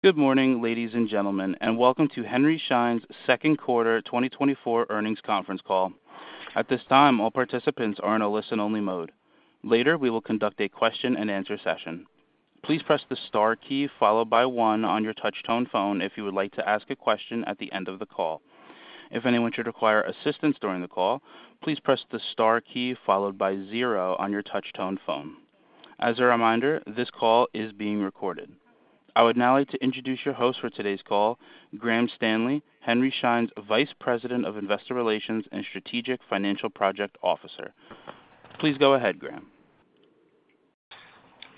Good morning, ladies and gentlemen, and welcome to Henry Schein's second quarter 2024 earnings conference call. At this time, all participants are in a listen-only mode. Later, we will conduct a question-and-answer session. Please press the star key followed by one on your touchtone phone if you would like to ask a question at the end of the call. If anyone should require assistance during the call, please press the star key followed by zero on your touchtone phone. As a reminder, this call is being recorded. I would now like to introduce your host for today's call, Graham Stanley, Henry Schein's Vice President of Investor Relations and Strategic Financial Project Officer. Please go ahead, Graham.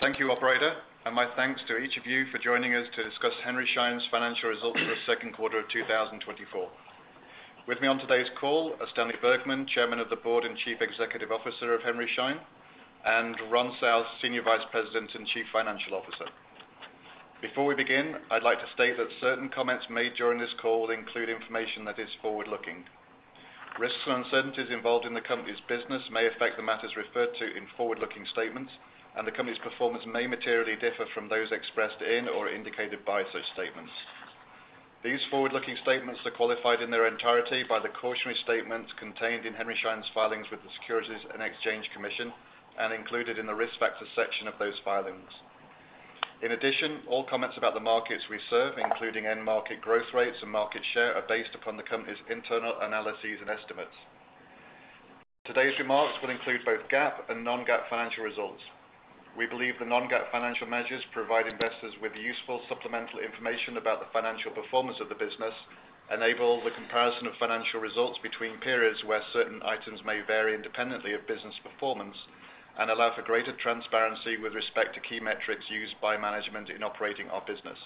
Thank you, operator, and my thanks to each of you for joining us to discuss Henry Schein's financial results for the second quarter of 2024. With me on today's call are Stanley Bergman, Chairman of the Board and Chief Executive Officer of Henry Schein, and Ron South, Senior Vice President and Chief Financial Officer. Before we begin, I'd like to state that certain comments made during this call include information that is forward-looking. Risks and uncertainties involved in the company's business may affect the matters referred to in forward-looking statements, and the company's performance may materially differ from those expressed in or indicated by such statements. These forward-looking statements are qualified in their entirety by the cautionary statements contained in Henry Schein's filings with the Securities and Exchange Commission, and included in the Risk Factors section of those filings. In addition, all comments about the markets we serve, including end market growth rates and market share, are based upon the company's internal analyses and estimates. Today's remarks will include both GAAP and non-GAAP financial results. We believe the non-GAAP financial measures provide investors with useful supplemental information about the financial performance of the business, enable the comparison of financial results between periods where certain items may vary independently of business performance, and allow for greater transparency with respect to key metrics used by management in operating our business.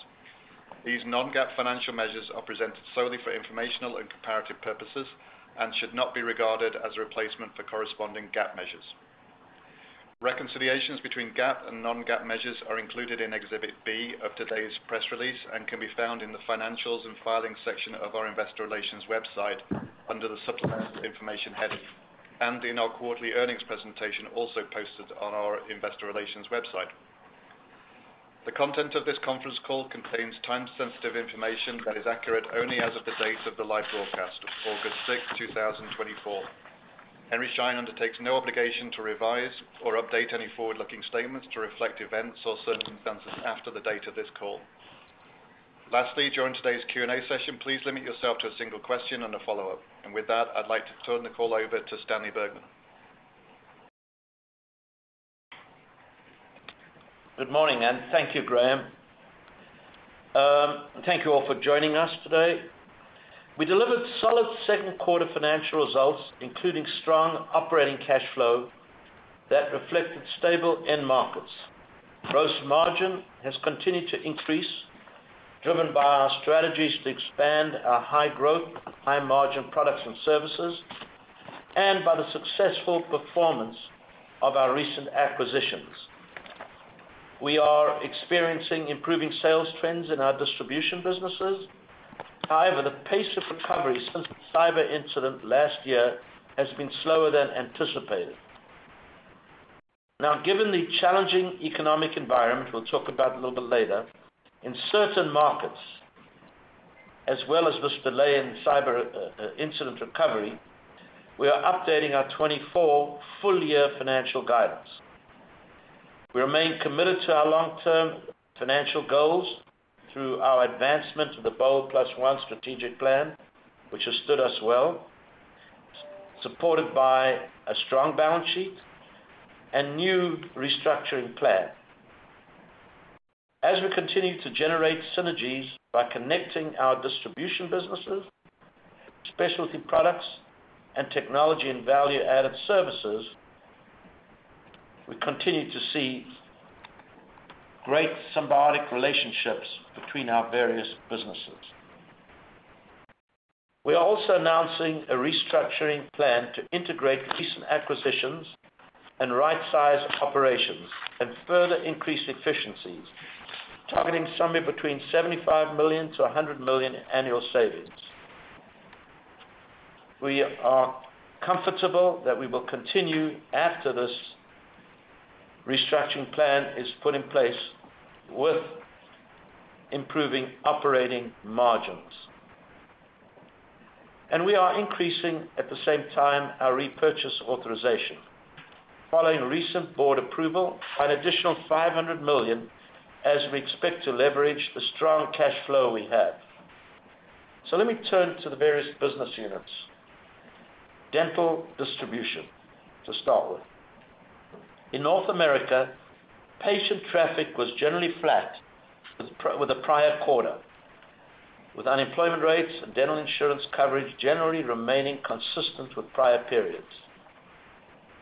These non-GAAP financial measures are presented solely for informational and comparative purposes and should not be regarded as a replacement for corresponding GAAP measures. Reconciliations between GAAP and non-GAAP measures are included in Exhibit B of today's press release, and can be found in the Financials and Filings section of our Investor Relations website under the Supplemental Information heading, and in our quarterly earnings presentation, also posted on our Investor Relations website. The content of this conference call contains time-sensitive information that is accurate only as of the date of the live broadcast, August 6, 2024. Henry Schein undertakes no obligation to revise or update any forward-looking statements to reflect events or circumstances after the date of this call. Lastly, during today's Q&A session, please limit yourself to a single question and a follow-up. And with that, I'd like to turn the call over to Stanley Bergman. Good morning, and thank you, Graham. Thank you all for joining us today. We delivered solid second quarter financial results, including strong operating cash flow that reflected stable end markets. Gross margin has continued to increase, driven by our strategies to expand our high-growth, high-margin products and services, and by the successful performance of our recent acquisitions. We are experiencing improving sales trends in our distribution businesses. However, the pace of recovery since the cyber incident last year has been slower than anticipated. Now, given the challenging economic environment, we'll talk about a little bit later, in certain markets, as well as this delay in cyber, incident recovery, we are updating our 2024 full year financial guidance. We remain committed to our long-term financial goals through our advancement of the BOLD+1 strategic plan, which has stood us well, supported by a strong balance sheet and new restructuring plan. As we continue to generate synergies by connecting our distribution businesses, specialty products, and technology and value-added services, we continue to see great symbiotic relationships between our various businesses. We are also announcing a restructuring plan to integrate recent acquisitions and right-size operations and further increase efficiencies, targeting somewhere between $75 million-$100 million in annual savings. We are comfortable that we will continue after this restructuring plan is put in place with improving operating margins. We are increasing, at the same time, our repurchase authorization. Following recent board approval, an additional $500 million, as we expect to leverage the strong cash flow we have. So let me turn to the various business units. Dental distribution, to start with. In North America, patient traffic was generally flat with the prior quarter, with unemployment rates and dental insurance coverage generally remaining consistent with prior periods.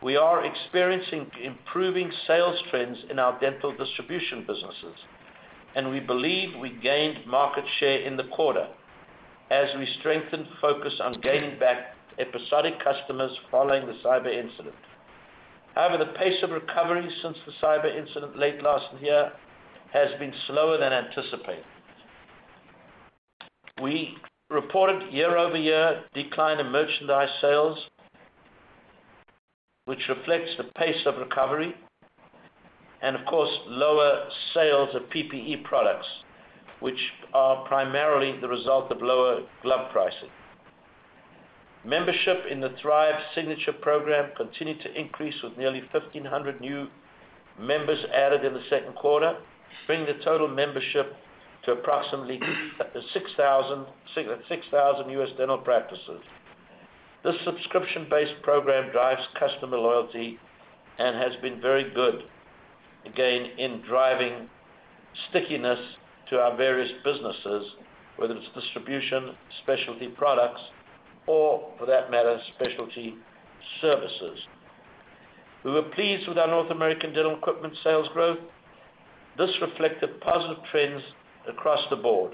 We are experiencing improving sales trends in our dental distribution businesses, and we believe we gained market share in the quarter as we strengthened focus on gaining back episodic customers following the cyber incident. However, the pace of recovery since the cyber incident late last year has been slower than anticipated. We reported year-over-year decline in merchandise sales, which reflects the pace of recovery and, of course, lower sales of PPE products, which are primarily the result of lower glove pricing. Membership in the Thrive Signature program continued to increase, with nearly 1,500 new members added in the second quarter, bringing the total membership to approximately 6,000, 6,000 US dental practices. This subscription-based program drives customer loyalty and has been very good, again, in driving stickiness to our various businesses, whether it's distribution, specialty products, or for that matter, specialty services. We were pleased with our North American dental equipment sales growth. This reflected positive trends across the board: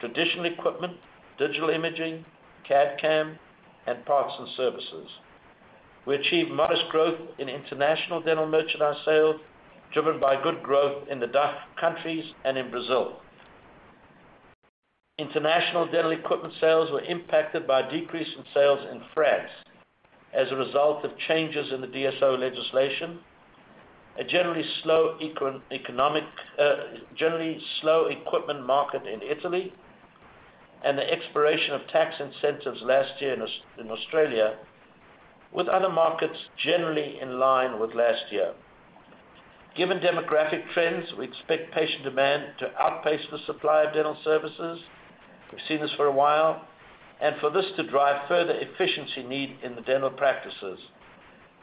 traditional equipment, digital imaging, CAD/CAM, and parts and services. We achieved modest growth in international dental merchandise sales, driven by good growth in the DACH countries and in Brazil. International dental equipment sales were impacted by a decrease in sales in France as a result of changes in the DSO legislation, a generally slow economic equipment market in Italy, and the expiration of tax incentives last year in Australia, with other markets generally in line with last year. Given demographic trends, we expect patient demand to outpace the supply of dental services. We've seen this for a while, and for this to drive further efficiency need in the dental practices,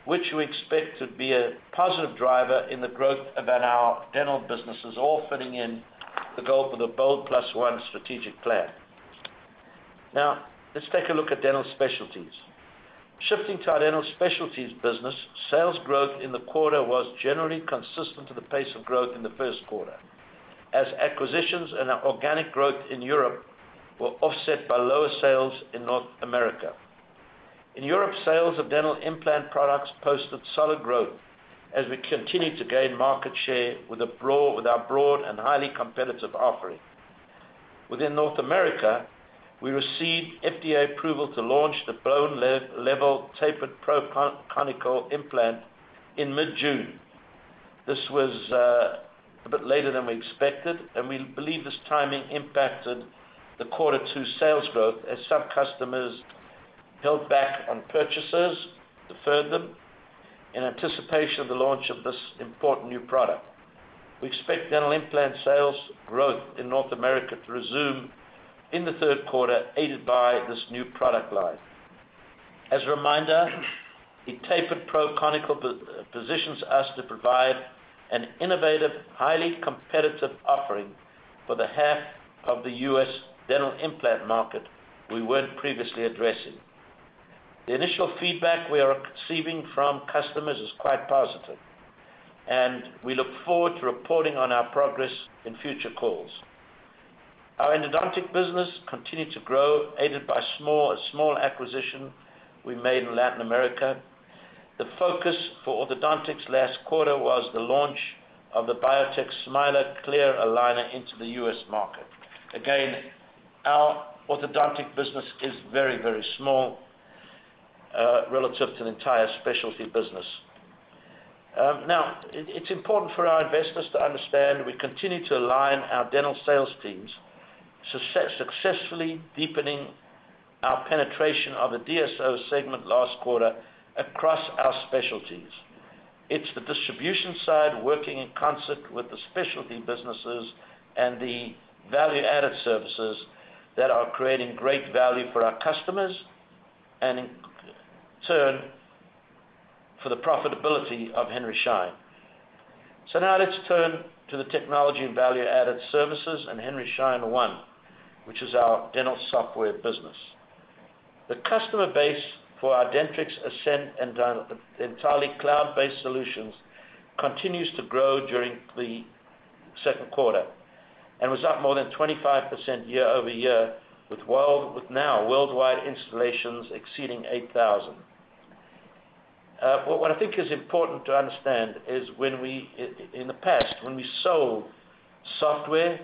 which we expect to be a positive driver in the growth of our dental businesses, all fitting in the goal for the BOLD+1 strategic plan. Now, let's take a look at dental specialties. Shifting to our dental specialties business, sales growth in the quarter was generally consistent to the pace of growth in the first quarter, as acquisitions and our organic growth in Europe were offset by lower sales in North America. In Europe, sales of dental implant products posted solid growth as we continued to gain market share with a broad, with our broad and highly competitive offering. Within North America, we received FDA approval to launch the Bone Level Tapered Pro Conical implant in mid-June. This was a bit later than we expected, and we believe this timing impacted the quarter two sales growth as some customers held back on purchases, deferred them, in anticipation of the launch of this important new product. We expect dental implant sales growth in North America to resume in the third quarter, aided by this new product line. As a reminder, the Tapered Pro Conical positions us to provide an innovative, highly competitive offering for the half of the U.S. dental implant market we weren't previously addressing. The initial feedback we are receiving from customers is quite positive, and we look forward to reporting on our progress in future calls. Our endodontic business continued to grow, aided by a small acquisition we made in Latin America. The focus for orthodontics last quarter was the launch of the Smilers clear aligner into the U.S. market. Again, our orthodontic business is very, very small relative to the entire specialty business. Now, it's important for our investors to understand we continue to align our dental sales teams, successfully deepening our penetration of the DSO segment last quarter across our specialties. It's the distribution side, working in concert with the specialty businesses and the value-added services, that are creating great value for our customers and, in turn, for the profitability of Henry Schein. So now let's turn to the technology and value-added services and Henry Schein One, which is our dental software business. The customer base for our Dentrix Ascend and our entirely cloud-based solutions continues to grow during the second quarter and was up more than 25% year-over-year, with now worldwide installations exceeding 8,000. What I think is important to understand is when we, in the past, when we sold software,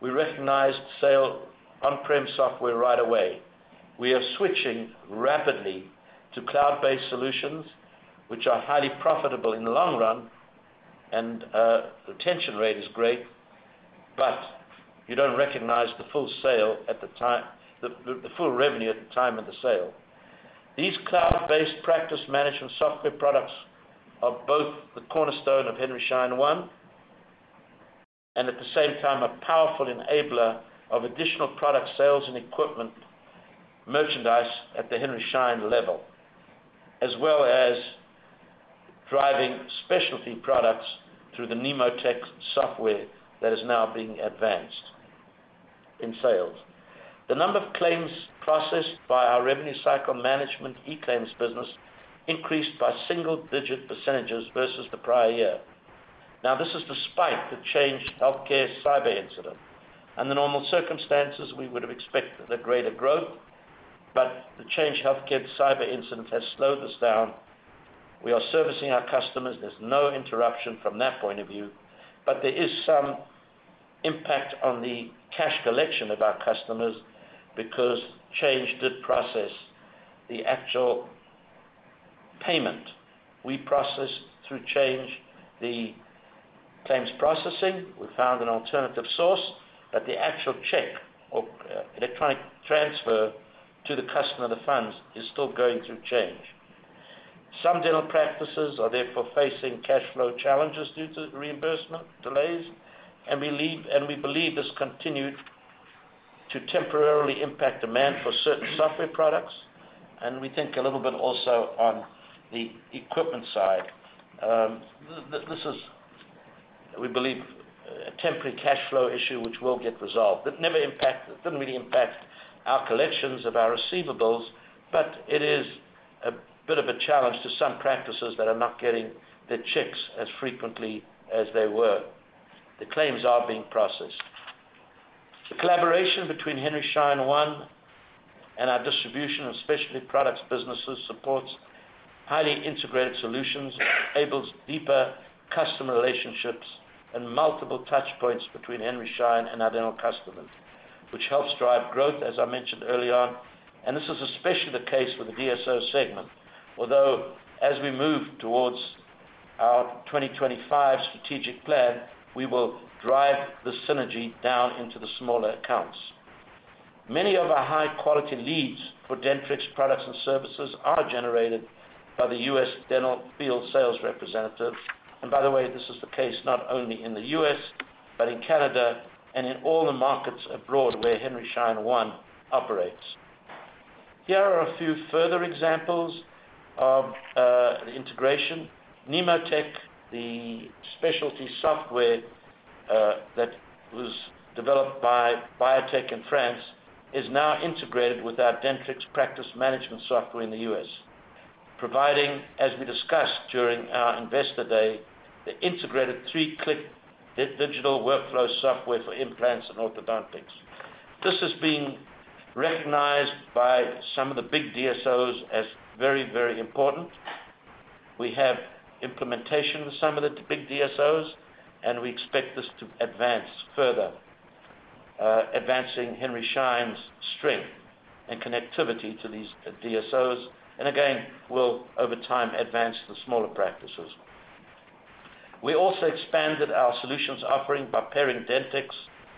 we recognized sale on-prem software right away. We are switching rapidly to cloud-based solutions, which are highly profitable in the long run, and retention rate is great, but you don't recognize the full sale at the time... The full revenue at the time of the sale. These cloud-based practice management software products are both the cornerstone of Henry Schein One and, at the same time, a powerful enabler of additional product sales and equipment merchandise at the Henry Schein level, as well as driving specialty products through the Nemotec software that is now being advanced in sales. The number of claims processed by our revenue cycle management eClaims business increased by single-digit percentages versus the prior year. Now, this is despite the Change Healthcare cyber incident. Under normal circumstances, we would have expected a greater growth, but the Change Healthcare cyber incident has slowed us down. We are servicing our customers. There's no interruption from that point of view, but there is some impact on the cash collection of our customers, because Change did process the actual payment. We processed through Change, the claims processing, we found an alternative source, but the actual check or electronic transfer to the customer, the funds, is still going through Change. Some dental practices are therefore facing cash flow challenges due to the reimbursement delays, and we believe this continued to temporarily impact demand for certain software products, and we think a little bit also on the equipment side. This is, we believe, a temporary cash flow issue, which will get resolved. It didn't really impact our collections of our receivables, but it is a bit of a challenge to some practices that are not getting their checks as frequently as they were. The claims are being processed. The collaboration between Henry Schein One and our distribution of specialty products businesses supports highly integrated solutions, enables deeper customer relationships, and multiple touch points between Henry Schein and our dental customers, which helps drive growth, as I mentioned earlier. This is especially the case with the DSO segment. Although, as we move towards our 2025 strategic plan, we will drive the synergy down into the smaller accounts. Many of our high-quality leads for Dentrix products and services are generated by the U.S. dental field sales representative. By the way, this is the case not only in the U.S., but in Canada, and in all the markets abroad where Henry Schein One operates. Here are a few further examples of integration. Nemotec, the specialty software, that was developed by Biotech Dental in France, is now integrated with our Dentrix practice management software in the US, providing, as we discussed during our investor day, the integrated three-click digital workflow software for implants and orthodontics. This has been recognized by some of the big DSOs as very, very important. We have implementation with some of the big DSOs, and we expect this to advance further, advancing Henry Schein's strength and connectivity to these DSOs, and again, will, over time, advance the smaller practices. We also expanded our solutions offering by pairing Dentrix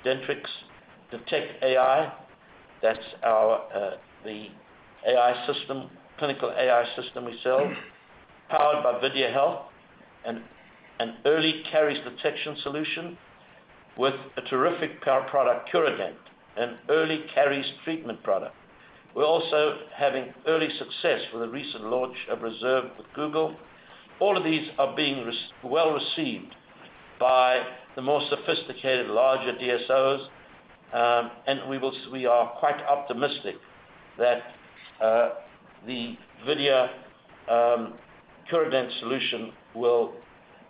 Detect AI. That's our, the AI system, clinical AI system we sell, powered by VideaHealth, and an early caries detection solution with a terrific partner product, Curodont, an early caries treatment product. We're also having early success with the recent launch of Reserve with Google. All of these are being well received by the more sophisticated, larger DSOs, and we are quite optimistic that the Videa Curodont solution will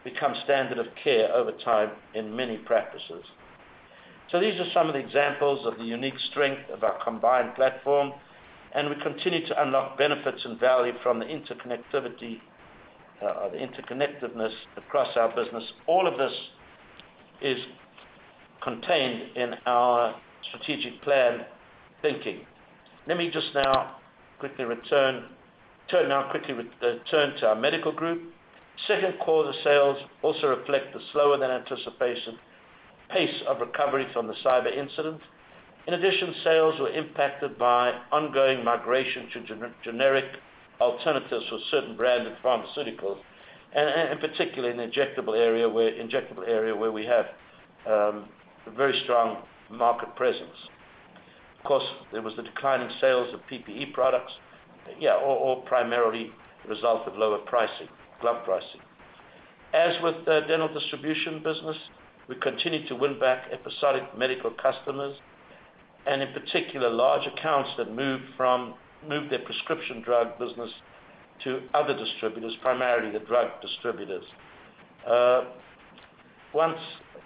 become standard of care over time in many practices. So these are some of the examples of the unique strength of our combined platform, and we continue to unlock benefits and value from the interconnectivity or the interconnectedness across our business. All of this is contained in our strategic plan thinking. Let me just now quickly turn to our medical group. Second quarter sales also reflect the slower than anticipated pace of recovery from the cyber incident. In addition, sales were impacted by ongoing migration to generic alternatives for certain branded pharmaceuticals, and in particular, in the injectable area where we have a very strong market presence. Of course, there was the decline in sales of PPE products, all primarily a result of lower pricing, glove pricing. As with the dental distribution business, we continued to win back episodic medical customers, and in particular, large accounts that moved their prescription drug business to other distributors, primarily the drug distributors. Once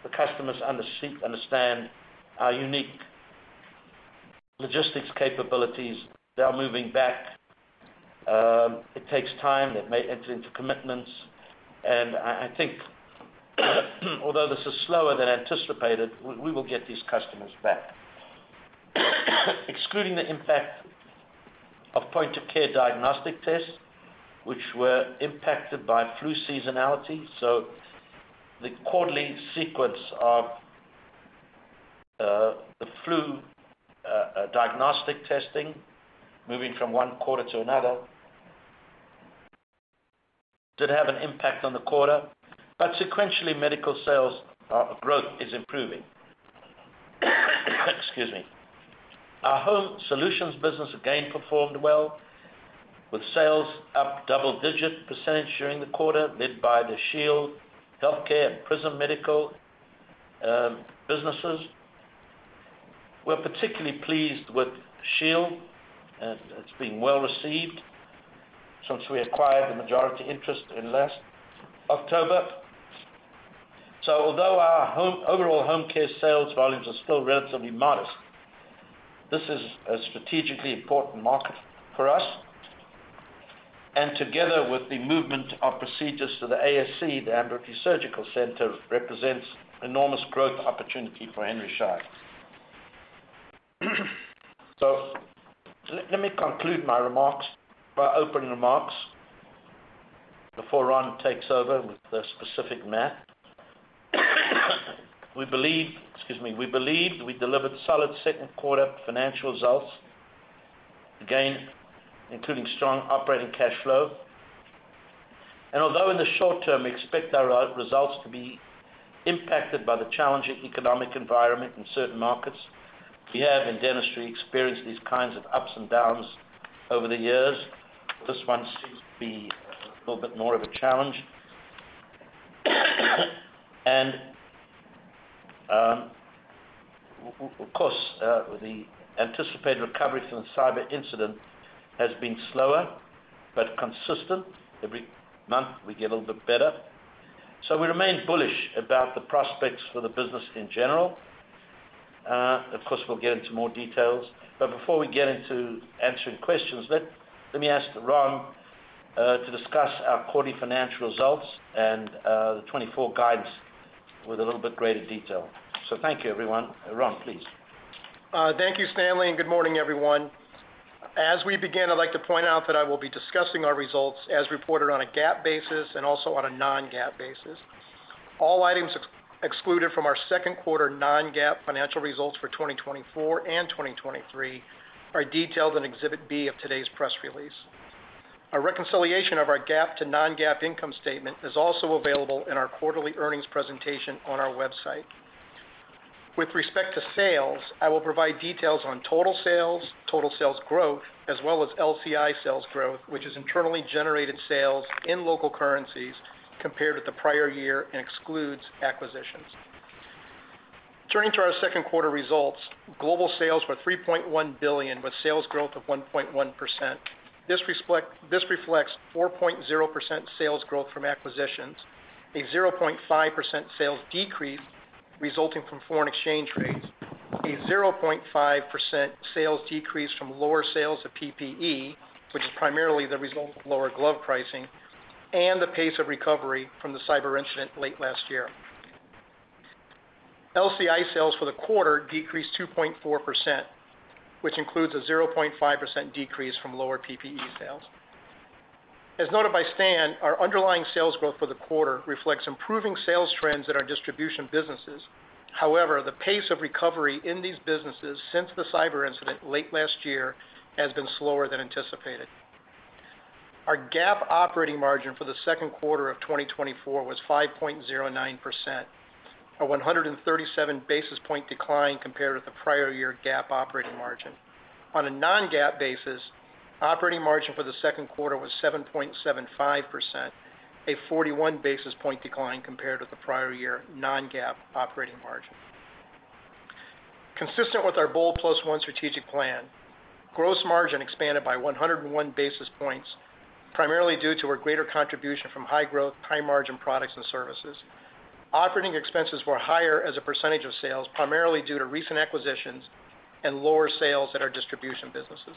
the customers understand our unique logistics capabilities, they are moving back. It takes time. They may enter into commitments, and I think, although this is slower than anticipated, we will get these customers back. Excluding the impact of Point-of-Care diagnostic tests, which were impacted by flu seasonality, so the quarterly sequence of the flu diagnostic testing, moving from one quarter to another, did have an impact on the quarter, but sequentially, medical sales growth is improving. Excuse me. Our Home Solutions business again performed well, with sales up double-digit percentage during the quarter, led by the Shield HealthCare and Prism Medical businesses. We're particularly pleased with Shield, and it's been well received since we acquired the majority interest in last October. So although our home overall home care sales volumes are still relatively modest, this is a strategically important market for us, and together with the movement of procedures to the ASC, the Ambulatory Surgical Center, represents enormous growth opportunity for Henry Schein. So let me conclude my remarks, my opening remarks, before Ron takes over with the specific math. We believe, excuse me. We believe we delivered solid second quarter financial results, again, including strong operating cash flow. Although in the short term, we expect our results to be impacted by the challenging economic environment in certain markets, we have in dentistry experienced these kinds of ups and downs over the years. This one seems to be a little bit more of a challenge. Of course, the anticipated recovery from the cyber incident has been slower but consistent. Every month, we get a little bit better. So we remain bullish about the prospects for the business in general. Of course, we'll get into more details, but before we get into answering questions, let me ask Ron to discuss our quarterly financial results and the 2024 guidance with a little bit greater detail. So thank you, everyone. Ron, please. Thank you, Stanley, and good morning, everyone. As we begin, I'd like to point out that I will be discussing our results as reported on a GAAP basis and also on a non-GAAP basis. All items excluded from our second quarter non-GAAP financial results for 2024 and 2023 are detailed in Exhibit B of today's press release. A reconciliation of our GAAP to non-GAAP income statement is also available in our quarterly earnings presentation on our website. With respect to sales, I will provide details on total sales, total sales growth, as well as LCI sales growth, which is internally generated sales in local currencies compared with the prior year and excludes acquisitions. Turning to our second quarter results, global sales were $3.1 billion, with sales growth of 1.1%. This reflects 4.0% sales growth from acquisitions, a 0.5% sales decrease resulting from foreign exchange rates, a 0.5% sales decrease from lower sales of PPE, which is primarily the result of lower glove pricing and the pace of recovery from the cyber incident late last year. LCI sales for the quarter decreased 2.4%, which includes a 0.5% decrease from lower PPE sales. As noted by Stan, our underlying sales growth for the quarter reflects improving sales trends in our distribution businesses. However, the pace of recovery in these businesses since the cyber incident late last year has been slower than anticipated. Our GAAP operating margin for the second quarter of 2024 was 5.09%, a 137 basis point decline compared with the prior year GAAP operating margin. On a non-GAAP basis, operating margin for the second quarter was 7.75%, a 41 basis point decline compared with the prior year non-GAAP operating margin. Consistent with our BOLD+1 strategic plan, gross margin expanded by 101 basis points, primarily due to a greater contribution from high growth, high margin products and services. Operating expenses were higher as a percentage of sales, primarily due to recent acquisitions and lower sales at our distribution businesses.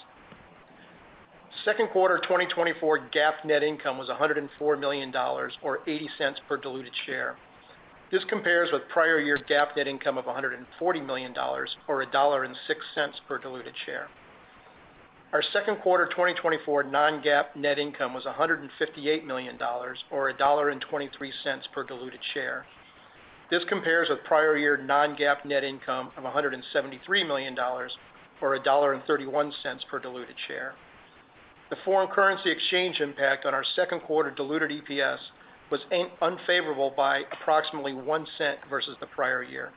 Second quarter 2024 GAAP net income was $104 million or $0.80 per diluted share. This compares with prior year's GAAP net income of $140 million or $1.06 per diluted share. Our second quarter 2024 non-GAAP net income was $158 million or $1.23 per diluted share. This compares with prior year non-GAAP net income of $173 million or $1.31 per diluted share. The foreign currency exchange impact on our second quarter diluted EPS was an unfavorable by approximately $0.01 versus the prior year.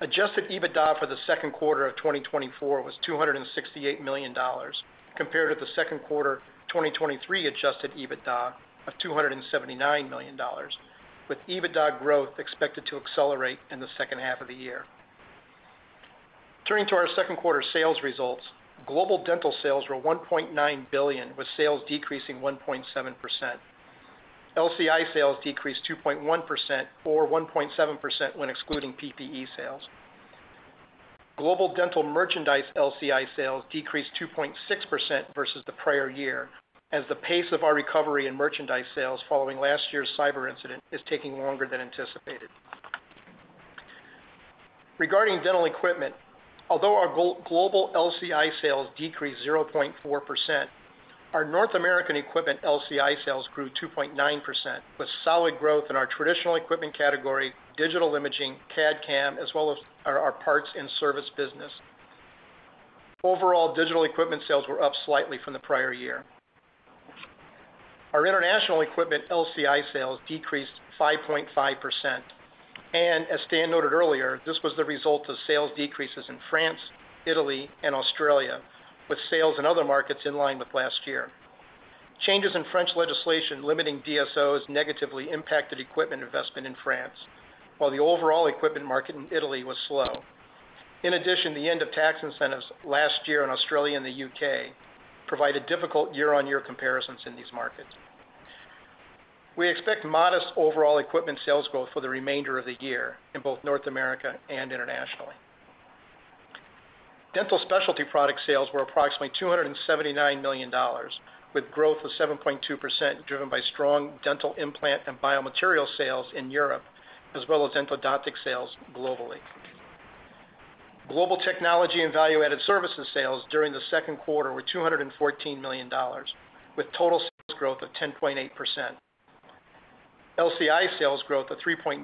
Adjusted EBITDA for the second quarter of 2024 was $268 million, compared with the second quarter 2023 adjusted EBITDA of $279 million, with EBITDA growth expected to accelerate in the second half of the year. Turning to our second quarter sales results, global dental sales were $1.9 billion, with sales decreasing 1.7%. LCI sales decreased 2.1% or 1.7% when excluding PPE sales. Global dental merchandise LCI sales decreased 2.6% versus the prior year, as the pace of our recovery in merchandise sales following last year's cyber incident is taking longer than anticipated. Regarding dental equipment, although our go-global LCI sales decreased 0.4%, our North American equipment LCI sales grew 2.9%, with solid growth in our traditional equipment category, digital imaging, CAD/CAM, as well as our parts and service business. Overall, digital equipment sales were up slightly from the prior year. Our international equipment LCI sales decreased 5.5%, and as Stan noted earlier, this was the result of sales decreases in France, Italy, and Australia, with sales in other markets in line with last year. Changes in French legislation limiting DSOs negatively impacted equipment investment in France, while the overall equipment market in Italy was slow. In addition, the end of tax incentives last year in Australia and the UK provided difficult year-on-year comparisons in these markets. We expect modest overall equipment sales growth for the remainder of the year in both North America and internationally. Dental specialty product sales were approximately $279 million, with growth of 7.2%, driven by strong dental implant and biomaterial sales in Europe, as well as endodontic sales globally. Global technology and value-added services sales during the second quarter were $214 million, with total sales growth of 10.8%. LCI sales growth of 3.9%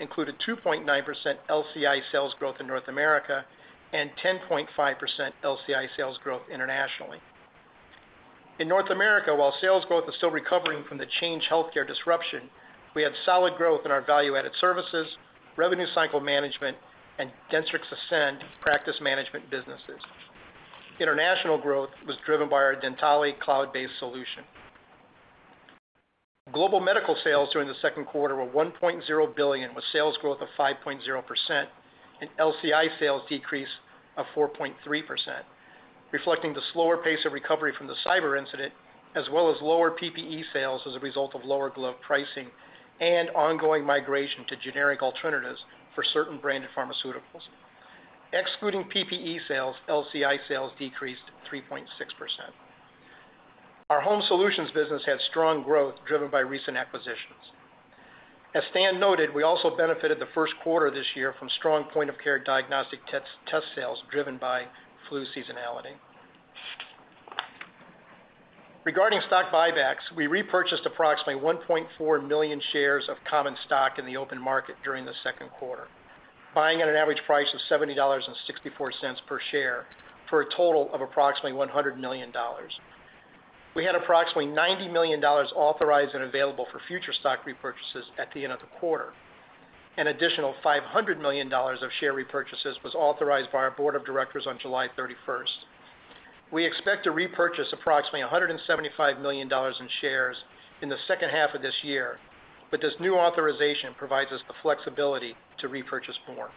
included 2.9% LCI sales growth in North America and 10.5% LCI sales growth internationally. In North America, while sales growth is still recovering from the Change Healthcare disruption, we have solid growth in our value-added services, revenue cycle management, and Dentrix Ascend practice management businesses. International growth was driven by our Dentally cloud-based solution. Global medical sales during the second quarter were $1.0 billion, with sales growth of 5.0%, and LCI sales decrease of 4.3%, reflecting the slower pace of recovery from the cyber incident, as well as lower PPE sales as a result of lower glove pricing and ongoing migration to generic alternatives for certain branded pharmaceuticals. Excluding PPE sales, LCI sales decreased 3.6%. Our home solutions business had strong growth, driven by recent acquisitions. As Stan noted, we also benefited the first quarter this year from strong point-of-care diagnostic test sales, driven by flu seasonality. Regarding stock buybacks, we repurchased approximately 1.4 million shares of common stock in the open market during the second quarter, buying at an average price of $70.64 per share for a total of approximately $100 million. We had approximately $90 million authorized and available for future stock repurchases at the end of the quarter. An additional $500 million of share repurchases was authorized by our board of directors on July 31st. We expect to repurchase approximately $175 million in shares in the second half of this year, but this new authorization provides us the flexibility to repurchase more.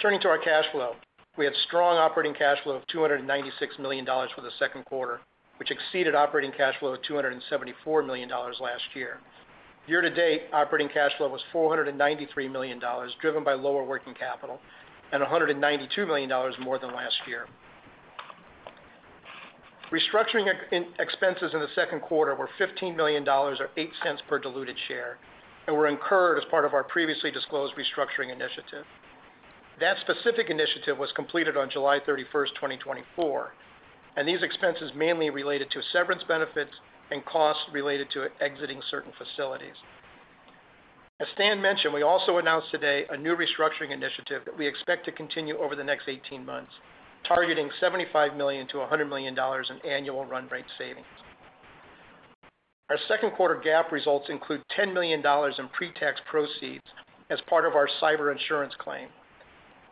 Turning to our cash flow. We had strong operating cash flow of $296 million for the second quarter, which exceeded operating cash flow of $274 million last year. Year to date, operating cash flow was $493 million, driven by lower working capital, and $192 million more than last year. Restructuring expenses in the second quarter were $15 million, or $0.08 per diluted share, and were incurred as part of our previously disclosed restructuring initiative. That specific initiative was completed on July 31, 2024, and these expenses mainly related to severance benefits and costs related to exiting certain facilities. As Stan mentioned, we also announced today a new restructuring initiative that we expect to continue over the next 18 months, targeting $75 million-$100 million in annual run rate savings. Our second quarter GAAP results include $10 million in pre-tax proceeds as part of our cyber insurance claim.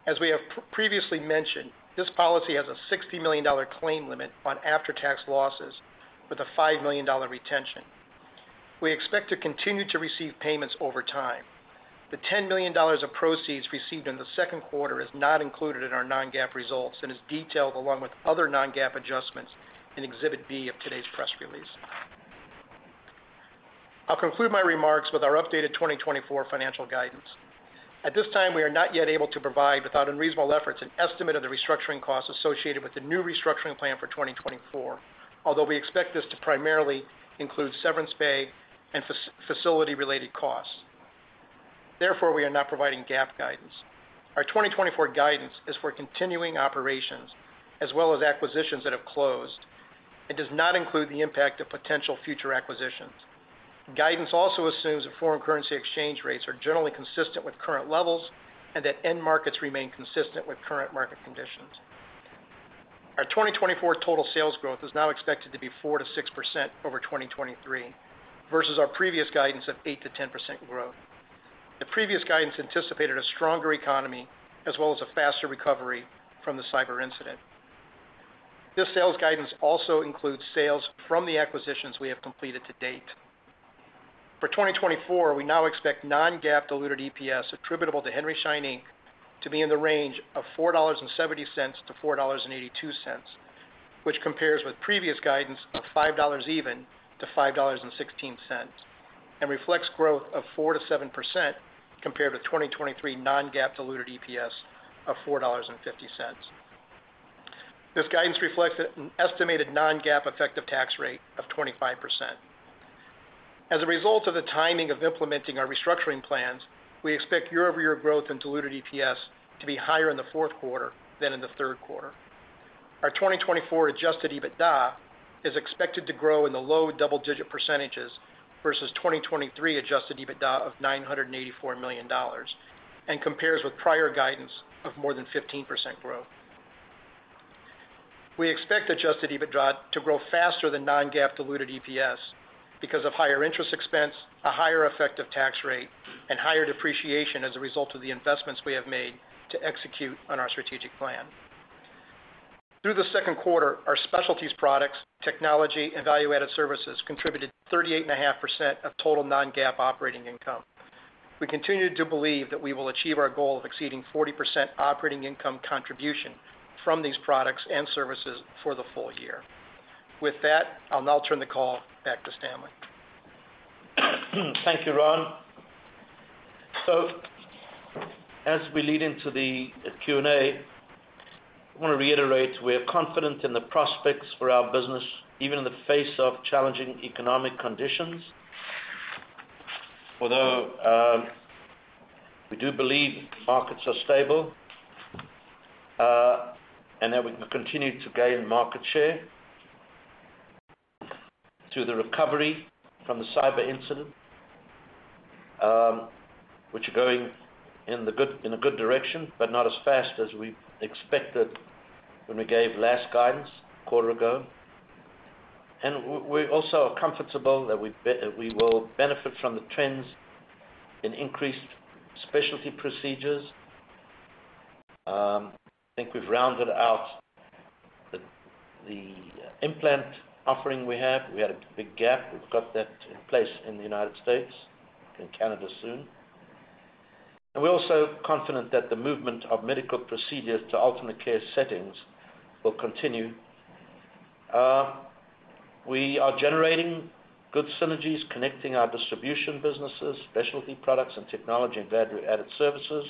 As we have previously mentioned, this policy has a $60 million claim limit on after-tax losses with a $5 million retention. We expect to continue to receive payments over time. The $10 million of proceeds received in the second quarter is not included in our non-GAAP results and is detailed along with other non-GAAP adjustments in Exhibit B of today's press release. I'll conclude my remarks with our updated 2024 financial guidance. At this time, we are not yet able to provide, without unreasonable efforts, an estimate of the restructuring costs associated with the new restructuring plan for 2024, although we expect this to primarily include severance pay and facility-related costs. Therefore, we are not providing GAAP guidance. Our 2024 guidance is for continuing operations as well as acquisitions that have closed. It does not include the impact of potential future acquisitions. Guidance also assumes that foreign currency exchange rates are generally consistent with current levels and that end markets remain consistent with current market conditions. Our 2024 total sales growth is now expected to be 4%-6% over 2023, versus our previous guidance of 8%-10% growth. The previous guidance anticipated a stronger economy as well as a faster recovery from the cyber incident. This sales guidance also includes sales from the acquisitions we have completed to date. For 2024, we now expect non-GAAP diluted EPS attributable to Henry Schein, Inc. to be in the range of $4.70-$4.82, which compares with previous guidance of $5.00-$5.16, and reflects growth of 4%-7% compared to 2023 non-GAAP diluted EPS of $4.50. This guidance reflects an estimated non-GAAP effective tax rate of 25%. As a result of the timing of implementing our restructuring plans, we expect year-over-year growth in diluted EPS to be higher in the fourth quarter than in the third quarter. Our 2024 adjusted EBITDA is expected to grow in the low double-digit percentages versus 2023 adjusted EBITDA of $984 million, and compares with prior guidance of more than 15% growth. We expect adjusted EBITDA to grow faster than non-GAAP diluted EPS because of higher interest expense, a higher effective tax rate, and higher depreciation as a result of the investments we have made to execute on our strategic plan. Through the second quarter, our specialties products, technology, and value-added services contributed 38.5% of total non-GAAP operating income. We continue to believe that we will achieve our goal of exceeding 40% operating income contribution from these products and services for the full year. With that, I'll now turn the call back to Stanley. Thank you, Ron. So as we lead into the Q&A, I want to reiterate, we are confident in the prospects for our business, even in the face of challenging economic conditions. Although, we do believe markets are stable, and that we can continue to gain market share through the recovery from the cyber incident, which are going in a good direction, but not as fast as we expected when we gave last guidance a quarter ago. And we also are comfortable that we will benefit from the trends in increased specialty procedures. I think we've rounded out the implant offering we have. We had a big gap. We've got that in place in the United States, in Canada soon. And we're also confident that the movement of medical procedures to alternate care settings will continue. We are generating good synergies, connecting our distribution businesses, specialty products, and technology and value-added services.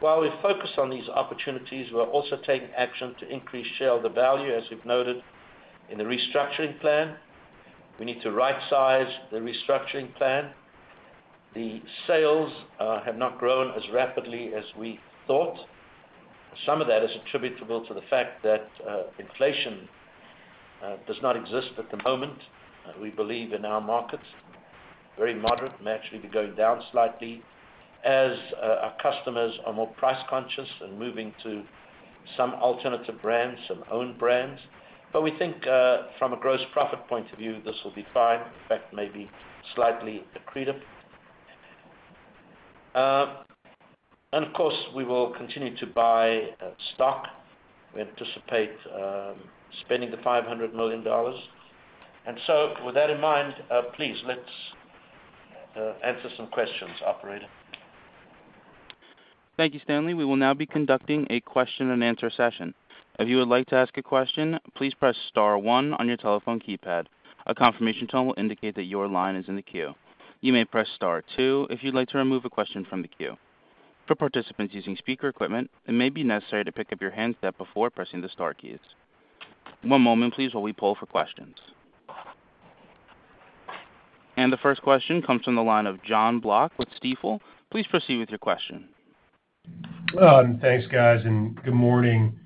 While we focus on these opportunities, we're also taking action to increase shareholder value, as we've noted in the restructuring plan. We need to rightsize the restructuring plan. The sales have not grown as rapidly as we thought. Some of that is attributable to the fact that inflation does not exist at the moment, we believe, in our markets. Very moderate, may actually be going down slightly as our customers are more price conscious and moving to some alternative brands, some own brands. But we think from a gross profit point of view, this will be fine. In fact, maybe slightly accretive. And of course, we will continue to buy stock. We anticipate spending the $500 million. And so with that in mind, please, let's answer some questions, operator. Thank you, Stanley. We will now be conducting a question and answer session. If you would like to ask a question, please press star one on your telephone keypad. A confirmation tone will indicate that your line is in the queue. You may press star two if you'd like to remove a question from the queue. For participants using speaker equipment, it may be necessary to pick up your handset before pressing the star keys. One moment, please, while we poll for questions. The first question comes from the line of John Block with Stifel. Please proceed with your question. Thanks, guys, and good morning.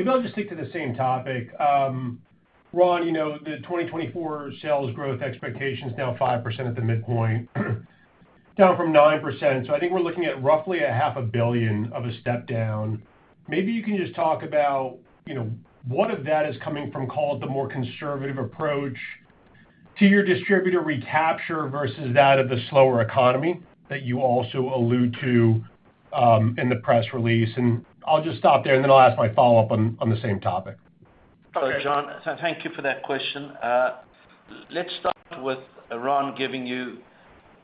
Maybe I'll just stick to the same topic. Ron, you know, the 2024 sales growth expectation is now 5% at the midpoint, down from 9%. So I think we're looking at roughly $500 million of a step down. Maybe you can just talk about, you know, what of that is coming from, call it the more conservative approach to your distributor recapture versus that of the slower economy that you also allude to, in the press release. And I'll just stop there, and then I'll ask my follow-up on, on the same topic. John, so thank you for that question. Let's start with Ron giving you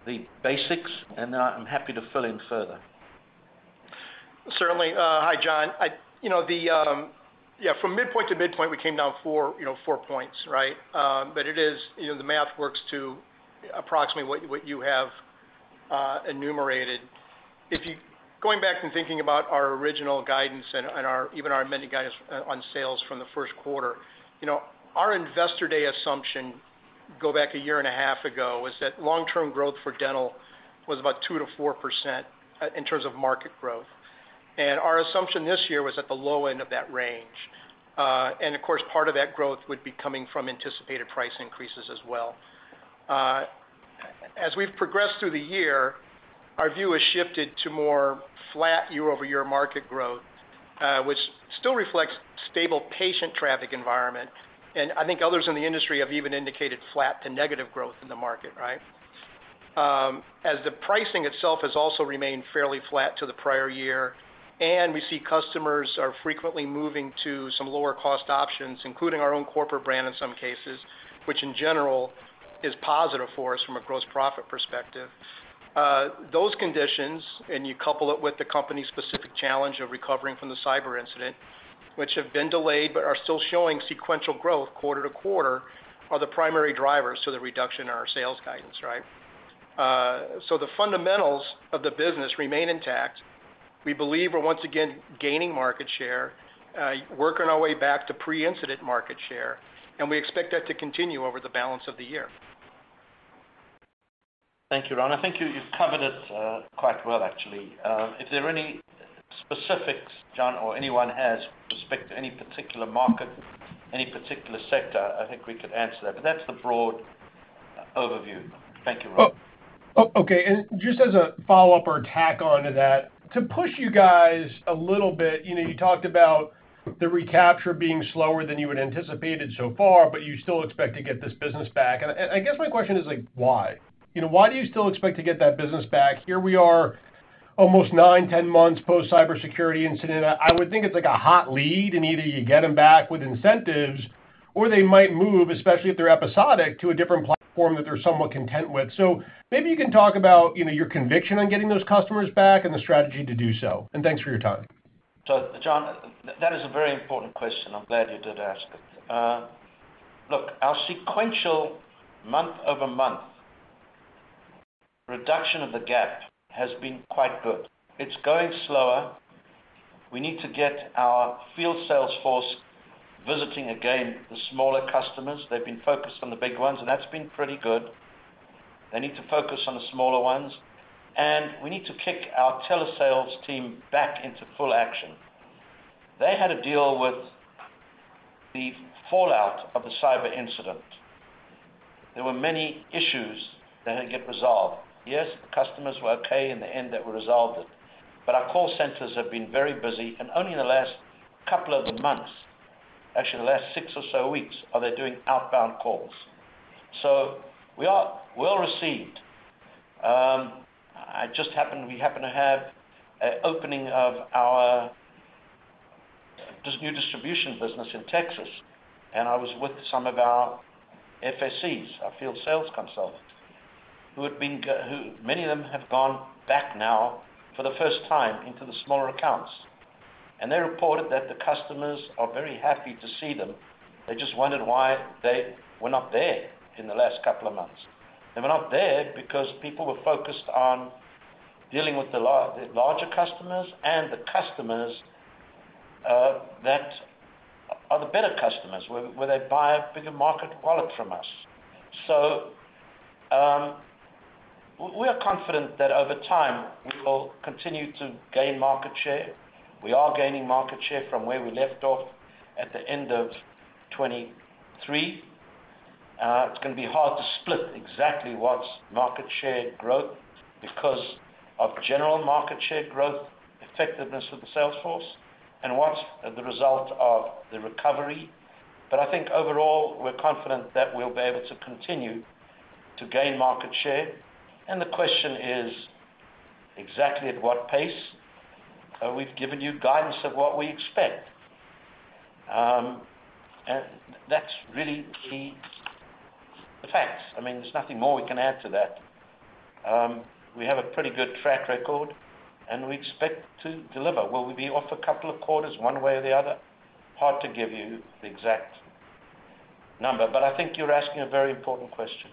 the basics, and then I'm happy to fill in further. Certainly. Hi, John. You know, the, yeah, from midpoint to midpoint, we came down 4, you know, 4 points, right? But it is, you know, the math works to approximately what, what you have enumerated. If you—Going back and thinking about our original guidance and our, even our amended guidance on sales from the first quarter, you know, our Investor Day assumption, go back a year and a half ago, was that long-term growth for dental was about 2%-4%, in terms of market growth. And our assumption this year was at the low end of that range. And of course, part of that growth would be coming from anticipated price increases as well. As we've progressed through the year, our view has shifted to more flat year-over-year market growth, which still reflects stable patient traffic environment. I think others in the industry have even indicated flat to negative growth in the market, right? As the pricing itself has also remained fairly flat to the prior year, and we see customers are frequently moving to some lower-cost options, including our own corporate brand in some cases, which in general, is positive for us from a gross profit perspective. Those conditions, and you couple it with the company's specific challenge of recovering from the cyber incident, which have been delayed but are still showing sequential growth quarter-to-quarter, are the primary drivers to the reduction in our sales guidance, right? The fundamentals of the business remain intact. We believe we're once again gaining market share, working our way back to pre-incident market share, and we expect that to continue over the balance of the year. Thank you, Ron. I think you, you've covered it quite well, actually. If there are any specifics, John, or anyone has with respect to any particular market, any particular sector, I think we could answer that, but that's the broad overview. Thank you, Ron. Oh, oh, okay, and just as a follow-up or tack on to that, to push you guys a little bit, you know, you talked about the recapture being slower than you had anticipated so far, but you still expect to get this business back. And I, I guess my question is like, why? You know, why do you still expect to get that business back? Here we are, almost 9-10 months post cybersecurity incident. I would think it's like a hot lead, and either you get them back with incentives or they might move, especially if they're episodic, to a different platform that they're somewhat content with. So maybe you can talk about, you know, your conviction on getting those customers back and the strategy to do so. And thanks for your time. So, John, that is a very important question. I'm glad you did ask it. Look, our sequential month-over-month reduction of the gap has been quite good. It's going slower. We need to get our field sales force visiting again, the smaller customers. They've been focused on the big ones, and that's been pretty good. They need to focus on the smaller ones, and we need to kick our telesales team back into full action. They had to deal with the fallout of the cyber incident. There were many issues they had to get resolved. Yes, the customers were okay in the end that we resolved it, but our call centers have been very busy, and only in the last couple of months, actually, the last six or so weeks, are they doing outbound calls. So we are well received. We happened to have an opening of our new distribution business in Texas, and I was with some of our FSCs, our field sales consultants, who many of them have gone back now for the first time into the smaller accounts. And they reported that the customers are very happy to see them. They just wondered why they were not there in the last couple of months. They were not there because people were focused on dealing with the larger customers and the customers that are the better customers, where, where they buy a bigger market wallet from us. So, we are confident that over time, we will continue to gain market share. We are gaining market share from where we left off at the end of 2023. It's gonna be hard to split exactly what's market share growth, because of general market share growth, effectiveness of the sales force, and what's the result of the recovery. But I think overall, we're confident that we'll be able to continue to gain market share, and the question is exactly at what pace? We've given you guidance of what we expect. And that's really the facts. I mean, there's nothing more we can add to that. We have a pretty good track record, and we expect to deliver. Will we be off a couple of quarters, one way or the other? Hard to give you the exact number, but I think you're asking a very important question.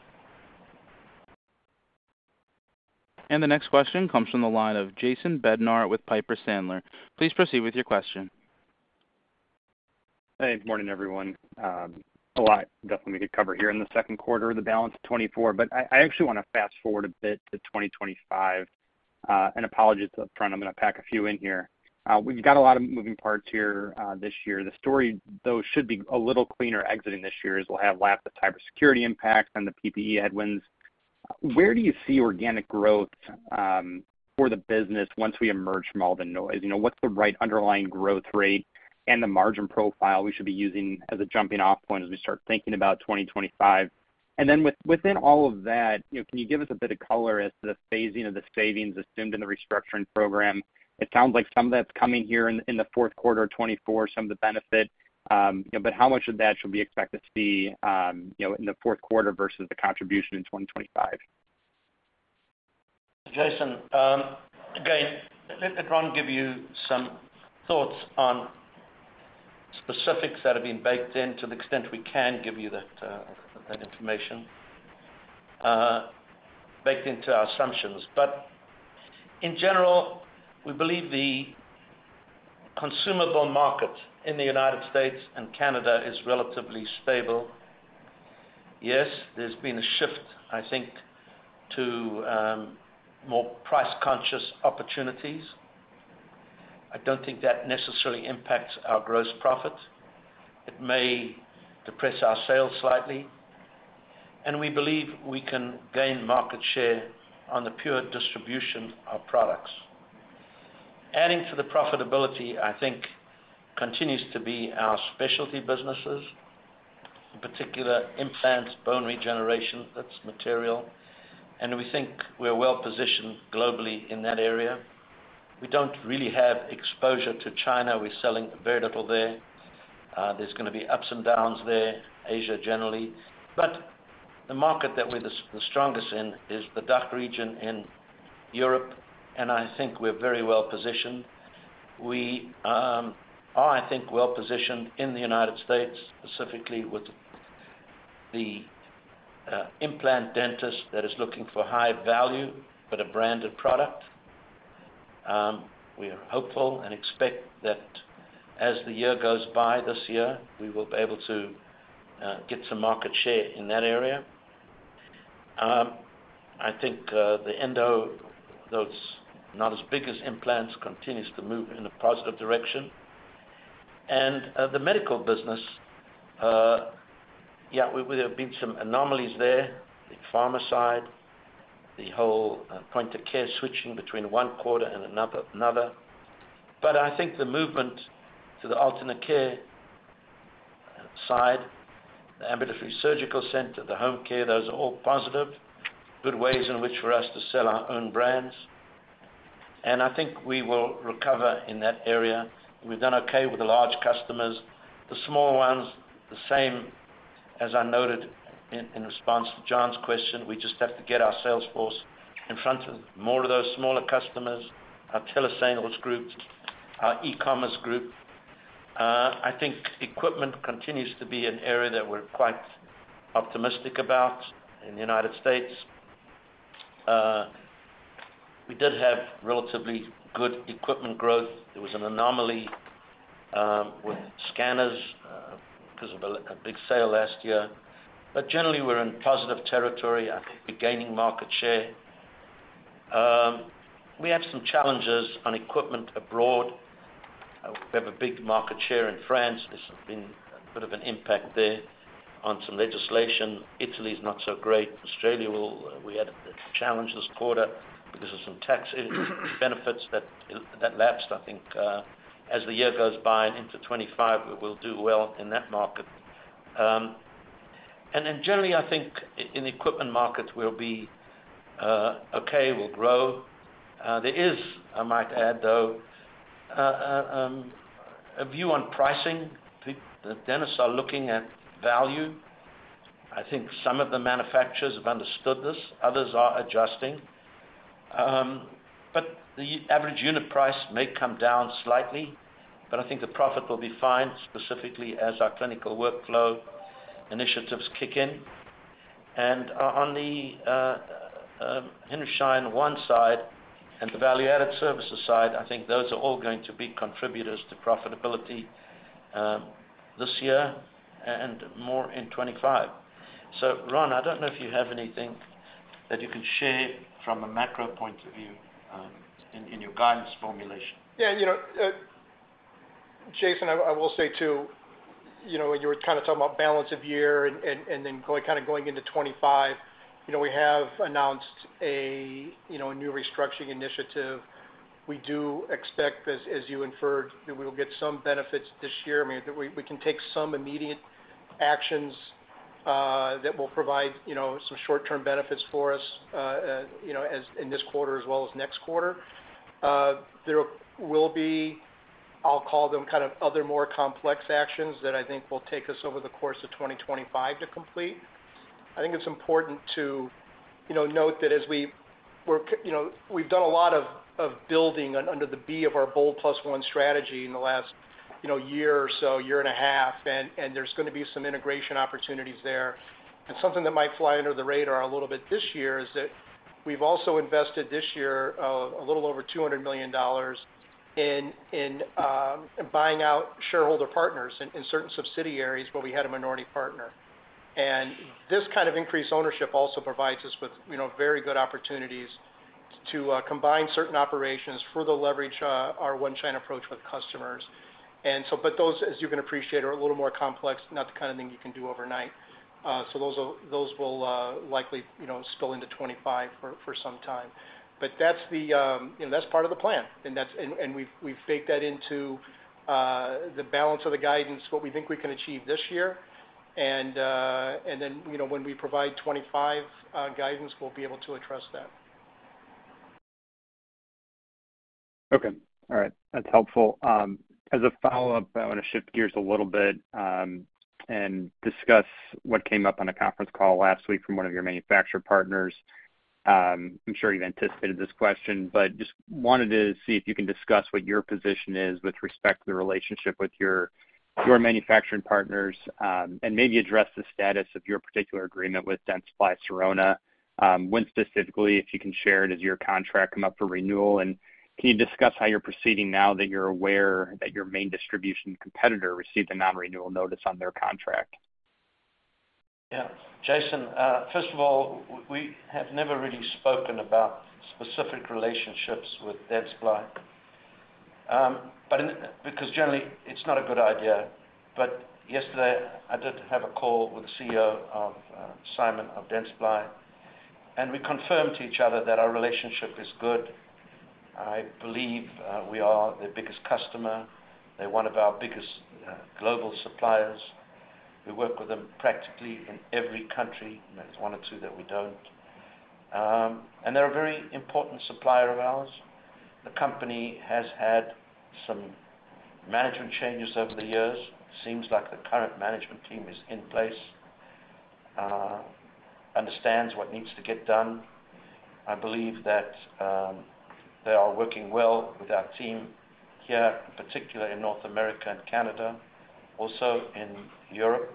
The next question comes from the line of Jason Bednar with Piper Sandler. Please proceed with your question. Hey, good morning, everyone. A lot definitely to cover here in the second quarter and the balance of 2024, but I actually wanna fast forward a bit to 2025. Apologies up front, I'm gonna pack a few in here. We've got a lot of moving parts here this year. The story, though, should be a little cleaner exiting this year, as we'll have lapsed the cybersecurity impact and the PPE headwinds. Where do you see organic growth for the business once we emerge from all the noise? You know, what's the right underlying growth rate and the margin profile we should be using as a jumping-off point as we start thinking about 2025? And then within all of that, you know, can you give us a bit of color as to the phasing of the savings assumed in the restructuring program? It sounds like some of that's coming here in the fourth quarter of 2024, some of the benefit, you know, but how much of that should we expect to see in the fourth quarter versus the contribution in 2025? Jason, again, let Ron give you some thoughts on specifics that have been baked in to the extent we can give you that information baked into our assumptions. But in general, we believe the consumable market in the United States and Canada is relatively stable. Yes, there's been a shift, I think, to more price-conscious opportunities. I don't think that necessarily impacts our gross profit. It may depress our sales slightly, and we believe we can gain market share on the pure distribution of products. Adding to the profitability, I think, continues to be our specialty businesses, in particular, implants, bone regeneration, that's material, and we think we're well-positioned globally in that area. We don't really have exposure to China. We're selling very little there. There's gonna be ups and downs there, Asia, generally. But the market that we're the strongest in is the DACH region in Europe, and I think we're very well positioned. We are, I think, well positioned in the United States, specifically with the implant dentist that is looking for high value, but a branded product. We are hopeful and expect that as the year goes by this year, we will be able to get some market share in that area. I think the endo, though it's not as big as implants, continues to move in a positive direction. The medical business, yeah, there have been some anomalies there. The pharma side, the whole point of care switching between one quarter and another. But I think the movement to the alternate care... side, the ambulatory surgical center, the home care, those are all positive, good ways in which for us to sell our own brands. And I think we will recover in that area. We've done okay with the large customers. The small ones, the same as I noted in response to John's question, we just have to get our sales force in front of more of those smaller customers, our telesales groups, our e-commerce group. I think equipment continues to be an area that we're quite optimistic about in the United States. We did have relatively good equipment growth. There was an anomaly with scanners because of a big sale last year. But generally, we're in positive territory. I think we're gaining market share. We had some challenges on equipment abroad. We have a big market share in France. There's been a bit of an impact there on some legislation. Italy is not so great. Australia, well, we had a challenge this quarter because of some tax benefits that lapsed. I think, as the year goes by and into 25, we will do well in that market. And then generally, I think in the equipment market, we'll be okay, we'll grow. There is, I might add, though, a view on pricing. The dentists are looking at value. I think some of the manufacturers have understood this, others are adjusting. But the average unit price may come down slightly, but I think the profit will be fine, specifically as our clinical workflow initiatives kick in. On the Henry Schein One side and the value-added services side, I think those are all going to be contributors to profitability this year and more in 25. So Ron, I don't know if you have anything that you can share from a macro point of view in your guidance formulation. Yeah, you know, Jason, I will say, too, you know, when you were kind of talking about balance of year and then going, kind of going into 25, you know, we have announced a new restructuring initiative. We do expect, as you inferred, that we will get some benefits this year. I mean, that we can take some immediate actions that will provide, you know, some short-term benefits for us, you know, as in this quarter as well as next quarter. There will be, I'll call them, kind of, other more complex actions that I think will take us over the course of 2025 to complete. I think it's important to, you know, note that as we're, you know, we've done a lot of building under our Bold Plus One strategy in the last, you know, year or so, year and a half, and there's gonna be some integration opportunities there. And something that might fly under the radar a little bit this year is that we've also invested this year a little over $200 million in buying out shareholder partners in certain subsidiaries where we had a minority partner. And this kind of increased ownership also provides us with, you know, very good opportunities to combine certain operations, further leverage our One Schein approach with customers. And so, but those, as you can appreciate, are a little more complex, not the kind of thing you can do overnight. So those will, those will, likely, you know, spill into 2025 for, for some time. But that's the, you know, that's part of the plan, and that's, and, and we've, we've baked that into, the balance of the guidance, what we think we can achieve this year. And, and then, you know, when we provide 2025 guidance, we'll be able to address that. Okay, all right. That's helpful. As a follow-up, I wanna shift gears a little bit, and discuss what came up on a conference call last week from one of your manufacturer partners. I'm sure you've anticipated this question, but just wanted to see if you can discuss what your position is with respect to the relationship with your, your manufacturing partners, and maybe address the status of your particular agreement with Dentsply Sirona. When specifically, if you can share, does your contract come up for renewal? And can you discuss how you're proceeding now that you're aware that your main distribution competitor received a non-renewal notice on their contract? Yeah. Jason, first of all, we have never really spoken about specific relationships with Dentsply. But because generally, it's not a good idea. But yesterday, I did have a call with the CEO, Simon, of Dentsply, and we confirmed to each other that our relationship is good. I believe we are their biggest customer. They're one of our biggest global suppliers. We work with them practically in every country. There's one or two that we don't. And they're a very important supplier of ours. The company has had some management changes over the years. Seems like the current management team is in place, understands what needs to get done. I believe that they are working well with our team here, particularly in North America and Canada, also in Europe.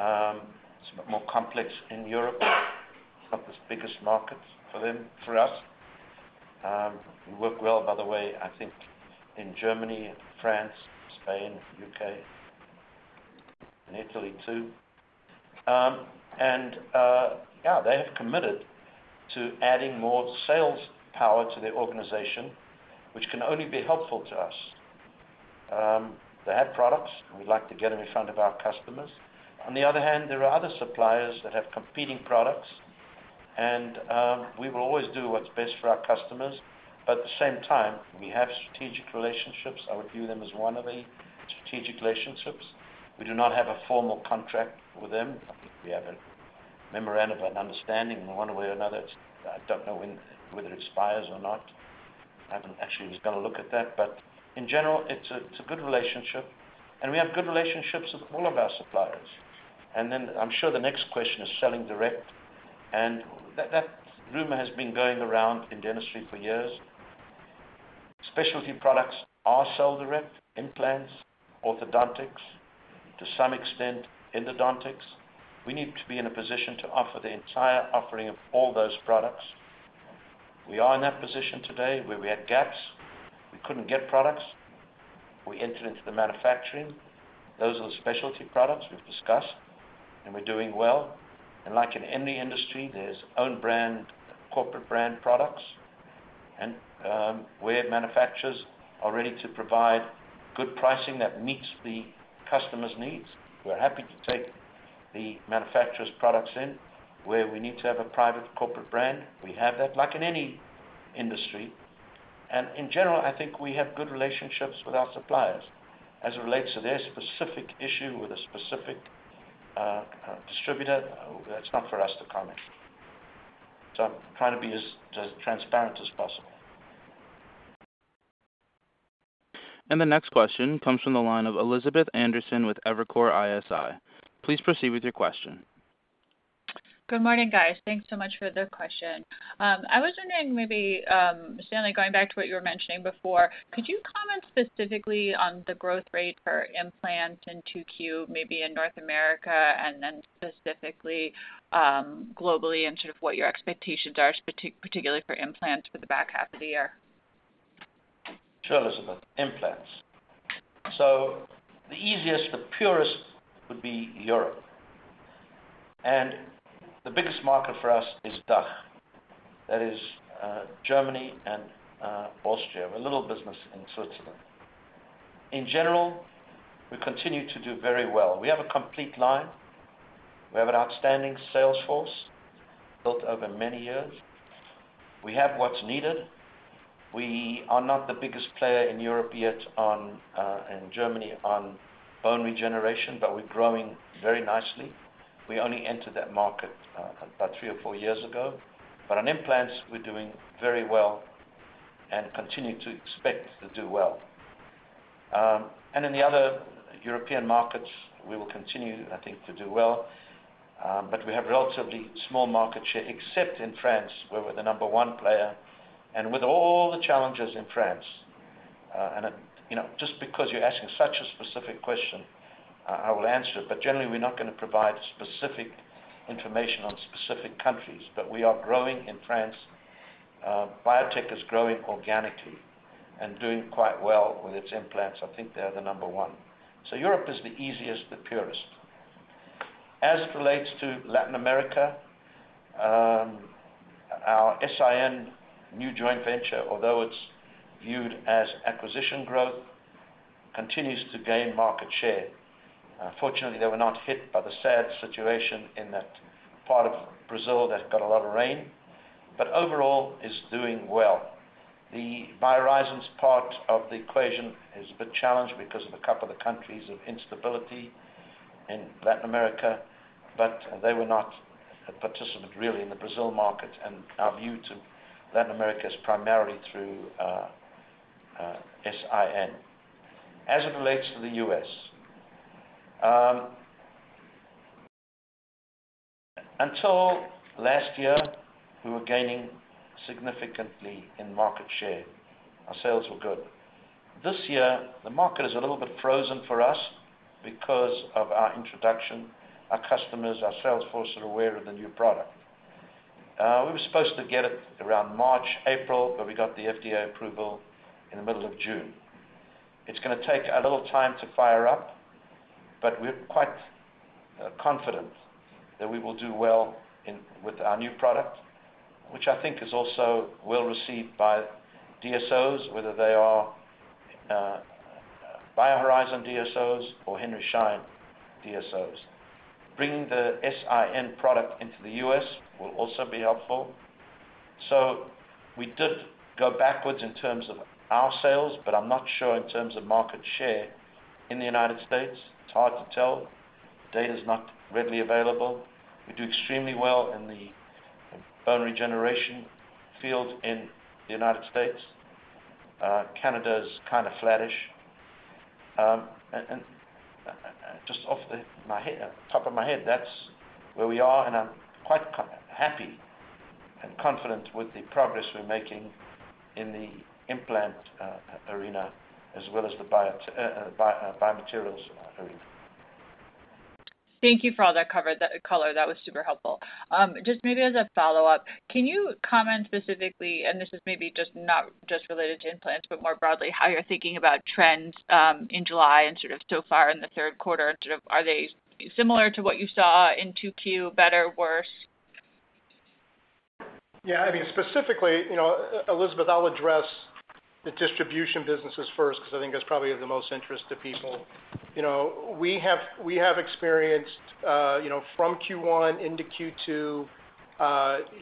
It's a bit more complex in Europe, one of the biggest markets for them, for us. We work well, by the way, I think, in Germany, France, Spain, UK, and Italy, too. And, yeah, they have committed to adding more sales power to their organization, which can only be helpful to us. They have products, and we'd like to get them in front of our customers. On the other hand, there are other suppliers that have competing products. And, we will always do what's best for our customers, but at the same time, we have strategic relationships. I would view them as one of the strategic relationships. We do not have a formal contract with them. I think we have a memorandum of understanding in one way or another. I don't know when, whether it expires or not. I haven't actually just got a look at that, but in general, it's a good relationship, and we have good relationships with all of our suppliers. And then I'm sure the next question is selling direct, and that rumor has been going around in dentistry for years. Specialty products are sold direct, implants, orthodontics, to some extent, endodontics. We need to be in a position to offer the entire offering of all those products. We are in that position today, where we had gaps, we couldn't get products, we entered into the manufacturing. Those are the specialty products we've discussed, and we're doing well. And like in any industry, there's own brand, corporate brand products, and where manufacturers are ready to provide good pricing that meets the customer's needs, we're happy to take the manufacturer's products in. Where we need to have a private corporate brand, we have that, like in any industry. In general, I think we have good relationships with our suppliers. As it relates to their specific issue with a specific distributor, that's not for us to comment. So I'm trying to be as transparent as possible. The next question comes from the line of Elizabeth Anderson with Evercore ISI. Please proceed with your question. Good morning, guys. Thanks so much for the question. I was wondering, maybe, Stanley, going back to what you were mentioning before, could you comment specifically on the growth rate for implants in 2Q, maybe in North America, and then specifically, globally, and sort of what your expectations are, particularly for implants for the back half of the year? Sure, Elizabeth, implants. So the easiest, the purest, would be Europe. And the biggest market for us is DACH. That is, Germany and, Austria, a little business in Switzerland. In general, we continue to do very well. We have a complete line. We have an outstanding sales force, built over many years. We have what's needed. We are not the biggest player in Europe yet on, in Germany, on bone regeneration, but we're growing very nicely. We only entered that market, about three or four years ago. But on implants, we're doing very well and continue to expect to do well. And in the other European markets, we will continue, I think, to do well, but we have relatively small market share, except in France, where we're the number one player, and with all the challenges in France. You know, just because you're asking such a specific question, I, I will answer it, but generally, we're not gonna provide specific information on specific countries, but we are growing in France. Biotech is growing organically and doing quite well with its implants. I think they are the number one. So Europe is the easiest, the purest. As it relates to Latin America, our S.I.N. new joint venture, although it's viewed as acquisition growth, continues to gain market share. Unfortunately, they were not hit by the sad situation in that part of Brazil that got a lot of rain, but overall, it's doing well. The BioHorizons part of the equation is a bit challenged because of a couple of the countries of instability in Latin America, but they were not a participant, really, in the Brazil market, and our view to Latin America is primarily through S.I.N.. As it relates to the U.S., until last year, we were gaining significantly in market share. Our sales were good. This year, the market is a little bit frozen for us because of our introduction. Our customers, our sales force, are aware of the new product. We were supposed to get it around March, April, but we got the FDA approval in the middle of June. It's gonna take a little time to fire up, but we're quite confident that we will do well in with our new product, which I think is also well received by DSOs, whether they are BioHorizons DSOs or Henry Schein DSOs. Bringing the S.I.N. product into the US will also be helpful. So we did go backwards in terms of our sales, but I'm not sure in terms of market share in the United States. It's hard to tell. Data is not readily available. We do extremely well in the bone regeneration field in the United States. Canada is kind of flattish. And just off the top of my head, that's where we are, and I'm quite happy and confident with the progress we're making in the implant arena, as well as the biomaterials arena. Thank you for all that cover- that color. That was super helpful. Just maybe as a follow-up, can you comment specifically, and this is maybe just not just related to implants, but more broadly, how you're thinking about trends in July and sort of so far in the third quarter? Sort of, are they similar to what you saw in 2Q, better, worse? Yeah, I mean, specifically, you know, Elizabeth, I'll address the distribution businesses first, because I think that's probably of the most interest to people. You know, we have, we have experienced, you know, from Q1 into Q2, you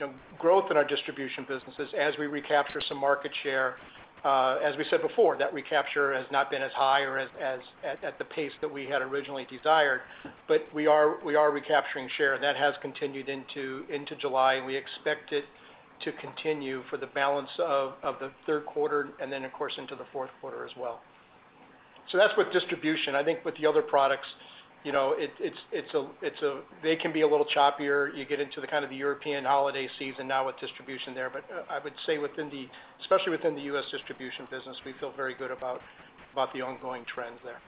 know, growth in our distribution businesses as we recapture some market share. As we said before, that recapture has not been as high or as, as, at, at the pace that we had originally desired, but we are, we are recapturing share, and that has continued into, into July, and we expect it to continue for the balance of, of the third quarter and then, of course, into the fourth quarter as well. So that's with distribution. I think with the other products, you know, it, it's, it's a, it's a. They can be a little choppier. You get into the kind of the European holiday season now with distribution there. But, I would say within the, especially within the U.S. distribution business, we feel very good about, about the ongoing trends there.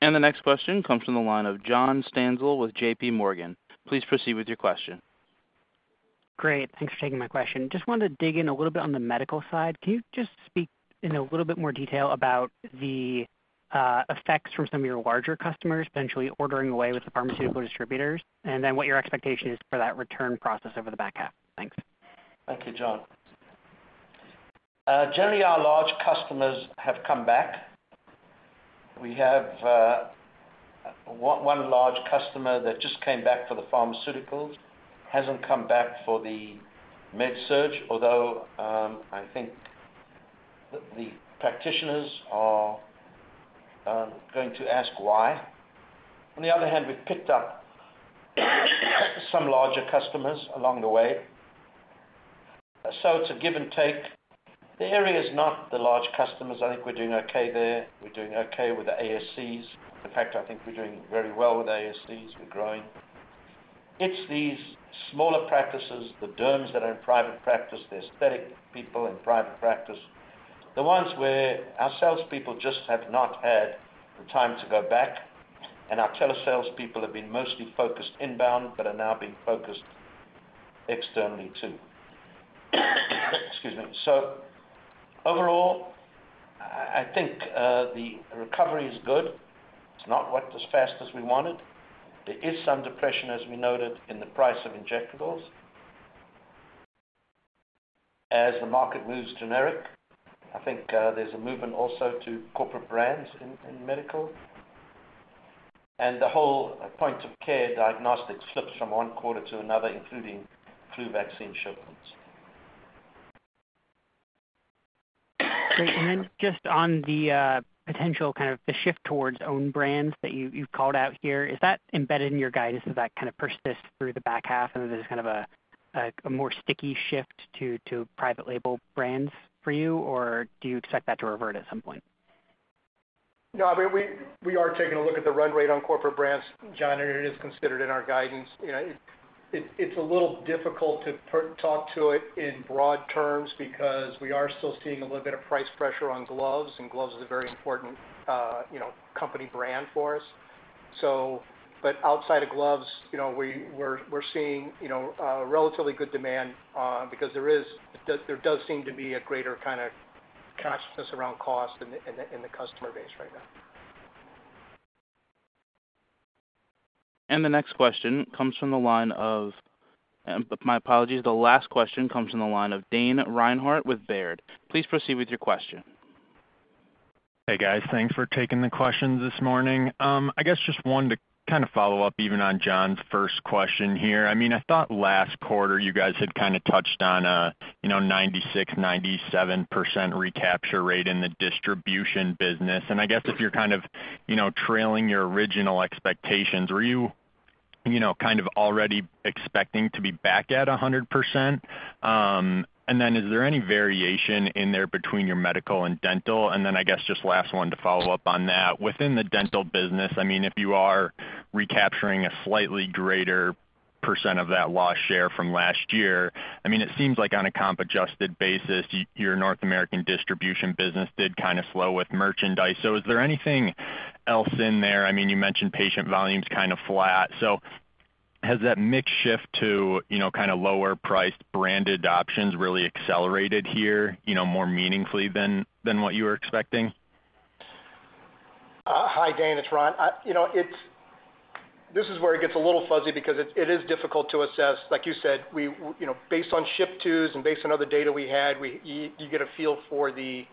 The next question comes from the line of John Stansel with J.P. Morgan. Please proceed with your question. Great. Thanks for taking my question. Just wanted to dig in a little bit on the medical side. Can you just speak in a little bit more detail about the effects from some of your larger customers potentially ordering away with the pharmaceutical distributors, and then what your expectation is for that return process over the back half? Thanks. Thank you, John. Generally, our large customers have come back. We have one large customer that just came back for the pharmaceuticals, hasn't come back for the Med-Surg, although I think the practitioners are going to ask why. On the other hand, we've picked up some larger customers along the way. So it's a give and take. The area is not the large customers. I think we're doing okay there. We're doing okay with the ASCs. In fact, I think we're doing very well with ASCs. We're growing. It's these smaller practices, the derms that are in private practice, the aesthetic people in private practice, the ones where our salespeople just have not had the time to go back, and our telesales people have been mostly focused inbound, but are now being focused externally, too. Excuse me. So overall, I think, the recovery is good. It's not went as fast as we wanted. There is some depression, as we noted, in the price of injectables. As the market moves generic, I think, there's a movement also to corporate brands in medical, and the whole point of care diagnostics flips from one quarter to another, including flu vaccine shipments. Great. And then just on the potential, kind of the shift towards own brands that you, you've called out here, is that embedded in your guidance? Does that kind of persist through the back half, and is this kind of a more sticky shift to private label brands for you, or do you expect that to revert at some point? No, I mean, we are taking a look at the run rate on corporate brands, John, and it is considered in our guidance. You know, it's a little difficult to talk to it in broad terms because we are still seeing a little bit of price pressure on gloves, and gloves is a very important, you know, company brand for us. But outside of gloves, you know, we're seeing, you know, relatively good demand because there does seem to be a greater kind of consciousness around cost in the customer base right now. The next question comes from the line of... My apologies. The last question comes from the line of Dane Reinhardt with Baird. Please proceed with your question. Hey, guys. Thanks for taking the questions this morning. I guess just wanted to kind of follow up even on John's first question here. I mean, I thought last quarter you guys had kind of touched on, you know, 96%-97% recapture rate in the distribution business. And I guess if you're kind of, you know, trailing your original expectations, were you, you know, kind of already expecting to be back at a 100%? And then is there any variation in there between your medical and dental? And then I guess, just last one to follow up on that, within the dental business, I mean, if you are recapturing a slightly greater % of that lost share from last year, I mean, it seems like on a comp adjusted basis, your North American distribution business did kind of slow with merchandise. Is there anything else in there? I mean, you mentioned patient volumes kind of flat. Has that mix shift to, you know, kind of lower priced branded options really accelerated here, you know, more meaningfully than, than what you were expecting? Hi, Dane, it's Ron. You know, it's—this is where it gets a little fuzzy because it is difficult to assess. Like you said, you know, based on ship to's and based on other data we had, you get a feel for the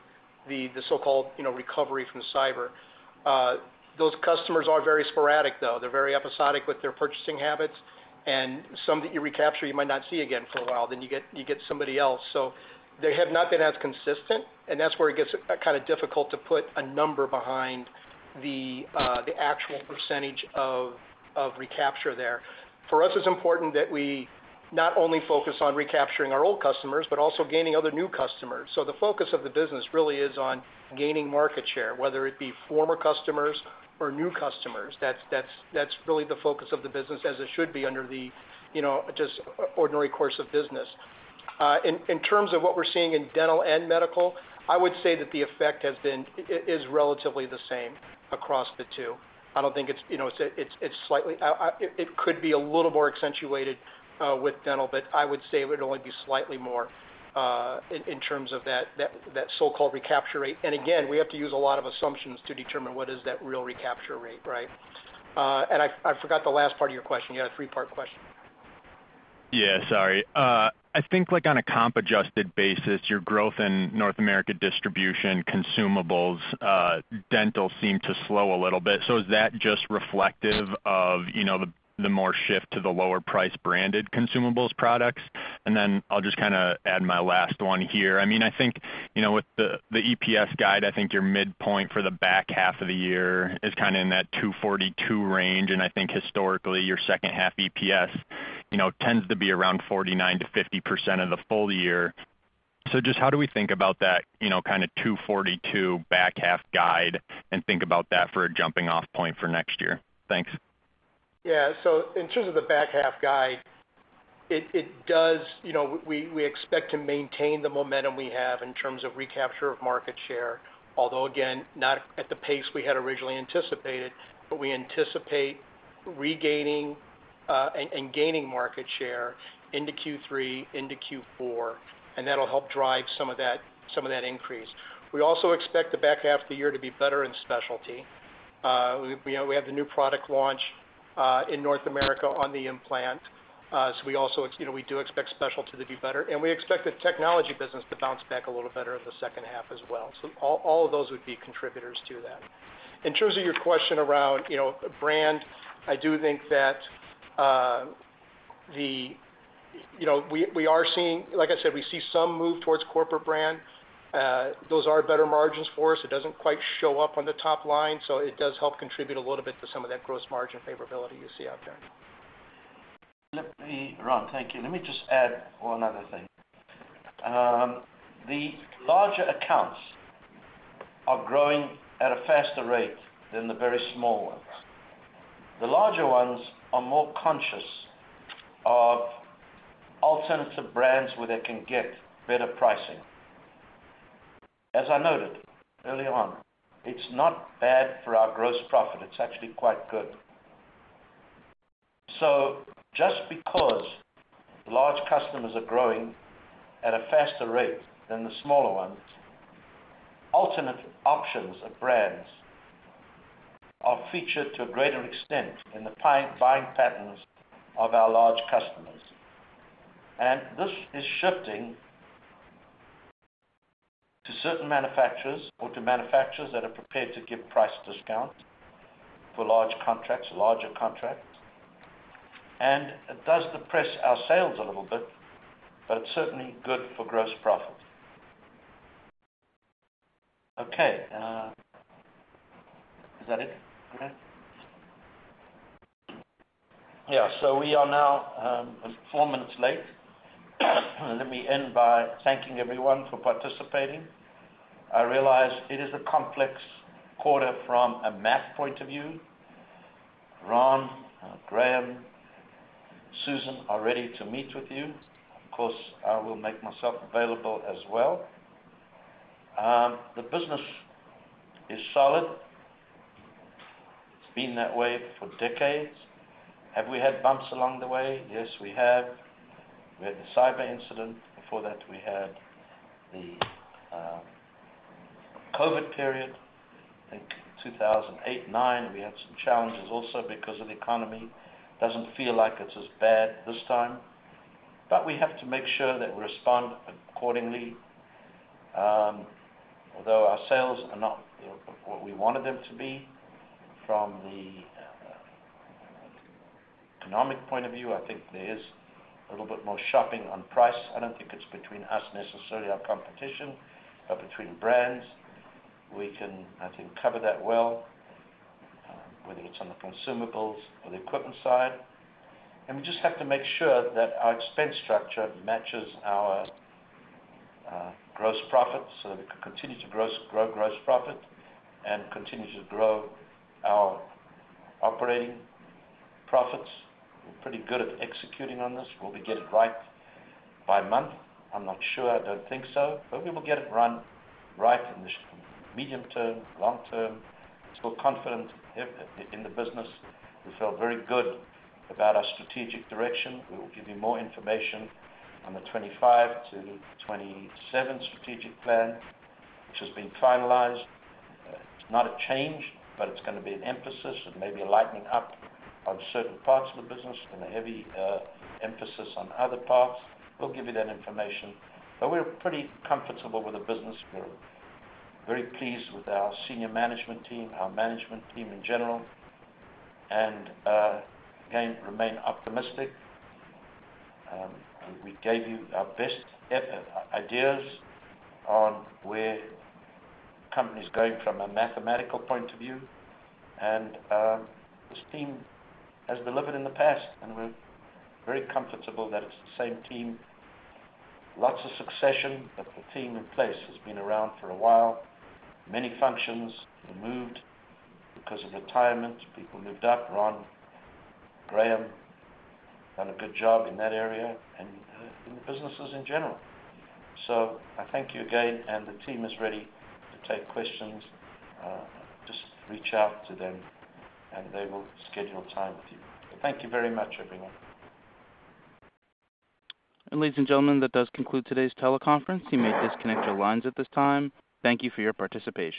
so-called, you know, recovery from cyber. Those customers are very sporadic, though. They're very episodic with their purchasing habits, and some that you recapture, you might not see again for a while, then you get somebody else. So they have not been as consistent, and that's where it gets kind of difficult to put a number behind the actual percentage of recapture there. For us, it's important that we not only focus on recapturing our old customers, but also gaining other new customers. So the focus of the business really is on gaining market share, whether it be former customers or new customers. That's really the focus of the business, as it should be under the, you know, just ordinary course of business. In terms of what we're seeing in dental and medical, I would say that the effect is relatively the same across the two. I don't think it's, you know, it's slightly... it could be a little more accentuated with dental, but I would say it would only be slightly more in terms of that so-called recapture rate. And again, we have to use a lot of assumptions to determine what is that real recapture rate, right? And I forgot the last part of your question. You had a three-part question. Yeah, sorry. I think, like, on a comp adjusted basis, your growth in North America distribution, consumables, dental seemed to slow a little bit. So is that just reflective of, you know, the, the more shift to the lower price branded consumables products? And then I'll just kinda add my last one here. I mean, I think, you know, with the, the EPS guide, I think your midpoint for the back half of the year is kinda in that $2.42 range, and I think historically, your second half EPS, you know, tends to be around 49%-50% of the full year. So just how do we think about that, you know, kinda $2.42 back half guide, and think about that for a jumping off point for next year? Thanks. Yeah. So in terms of the back half guide, it does. You know, we expect to maintain the momentum we have in terms of recapture of market share, although again, not at the pace we had originally anticipated, but we anticipate regaining, and gaining market share into Q3, into Q4, and that'll help drive some of that, some of that increase. We also expect the back half of the year to be better in specialty. We have the new product launch in North America on the implant. So we also, you know, we do expect specialty to do better, and we expect the technology business to bounce back a little better in the second half as well. So all of those would be contributors to that. In terms of your question around, you know, brand, I do think that. You know, we, we are seeing, like I said, we see some move towards corporate brand. Those are better margins for us. It doesn't quite show up on the top line, so it does help contribute a little bit to some of that gross margin favorability you see out there. Let me, Ron, thank you. Let me just add one other thing. The larger accounts are growing at a faster rate than the very small ones. The larger ones are more conscious of alternative brands where they can get better pricing. As I noted early on, it's not bad for our gross profit. It's actually quite good. So just because large customers are growing at a faster rate than the smaller ones, ultimate options of brands are featured to a greater extent in the pie-buying patterns of our large customers. And this is shifting to certain manufacturers or to manufacturers that are prepared to give price discounts for large contracts, larger contracts. And it does depress our sales a little bit, but certainly good for gross profit. Okay, is that it, Graham? Yeah, so we are now, four minutes late. Let me end by thanking everyone for participating. I realize it is a complex quarter from a math point of view. Ron, Graham, Susan are ready to meet with you. Of course, I will make myself available as well. The business is solid. It's been that way for decades. Have we had bumps along the way? Yes, we have. We had the cyber incident. Before that, we had the COVID period. I think 2008, 2009, we had some challenges also because of the economy. Doesn't feel like it's as bad this time, but we have to make sure that we respond accordingly. Although our sales are not, you know, what we wanted them to be, from the economic point of view, I think there is a little bit more shopping on price. I don't think it's between us, necessarily, our competition, but between brands. We can, I think, cover that well, whether it's on the consumables or the equipment side. We just have to make sure that our expense structure matches our gross profit, so that we can continue to grow gross profit and continue to grow our operating profits. We're pretty good at executing on this. Will we get it right by month? I'm not sure. I don't think so, but we will get it run right in the medium term, long term. Still confident in the business. We feel very good about our strategic direction. We will give you more information on the 2025-2027 strategic plan, which has been finalized. It's not a change, but it's gonna be an emphasis and maybe a lightening up on certain parts of the business and a heavy emphasis on other parts. We'll give you that information, but we're pretty comfortable with the business. We're very pleased with our senior management team, our management team in general, and again, remain optimistic. We gave you our best ideas on where company's going from a mathematical point of view. And this team has delivered in the past, and we're very comfortable that it's the same team. Lots of succession, but the team in place has been around for a while. Many functions removed because of retirement. People moved up. Ron, Graham, done a good job in that area and in the businesses in general. So I thank you again, and the team is ready to take questions. Just reach out to them, and they will schedule time with you. Thank you very much, everyone. Ladies and gentlemen, that does conclude today's teleconference. You may disconnect your lines at this time. Thank you for your participation.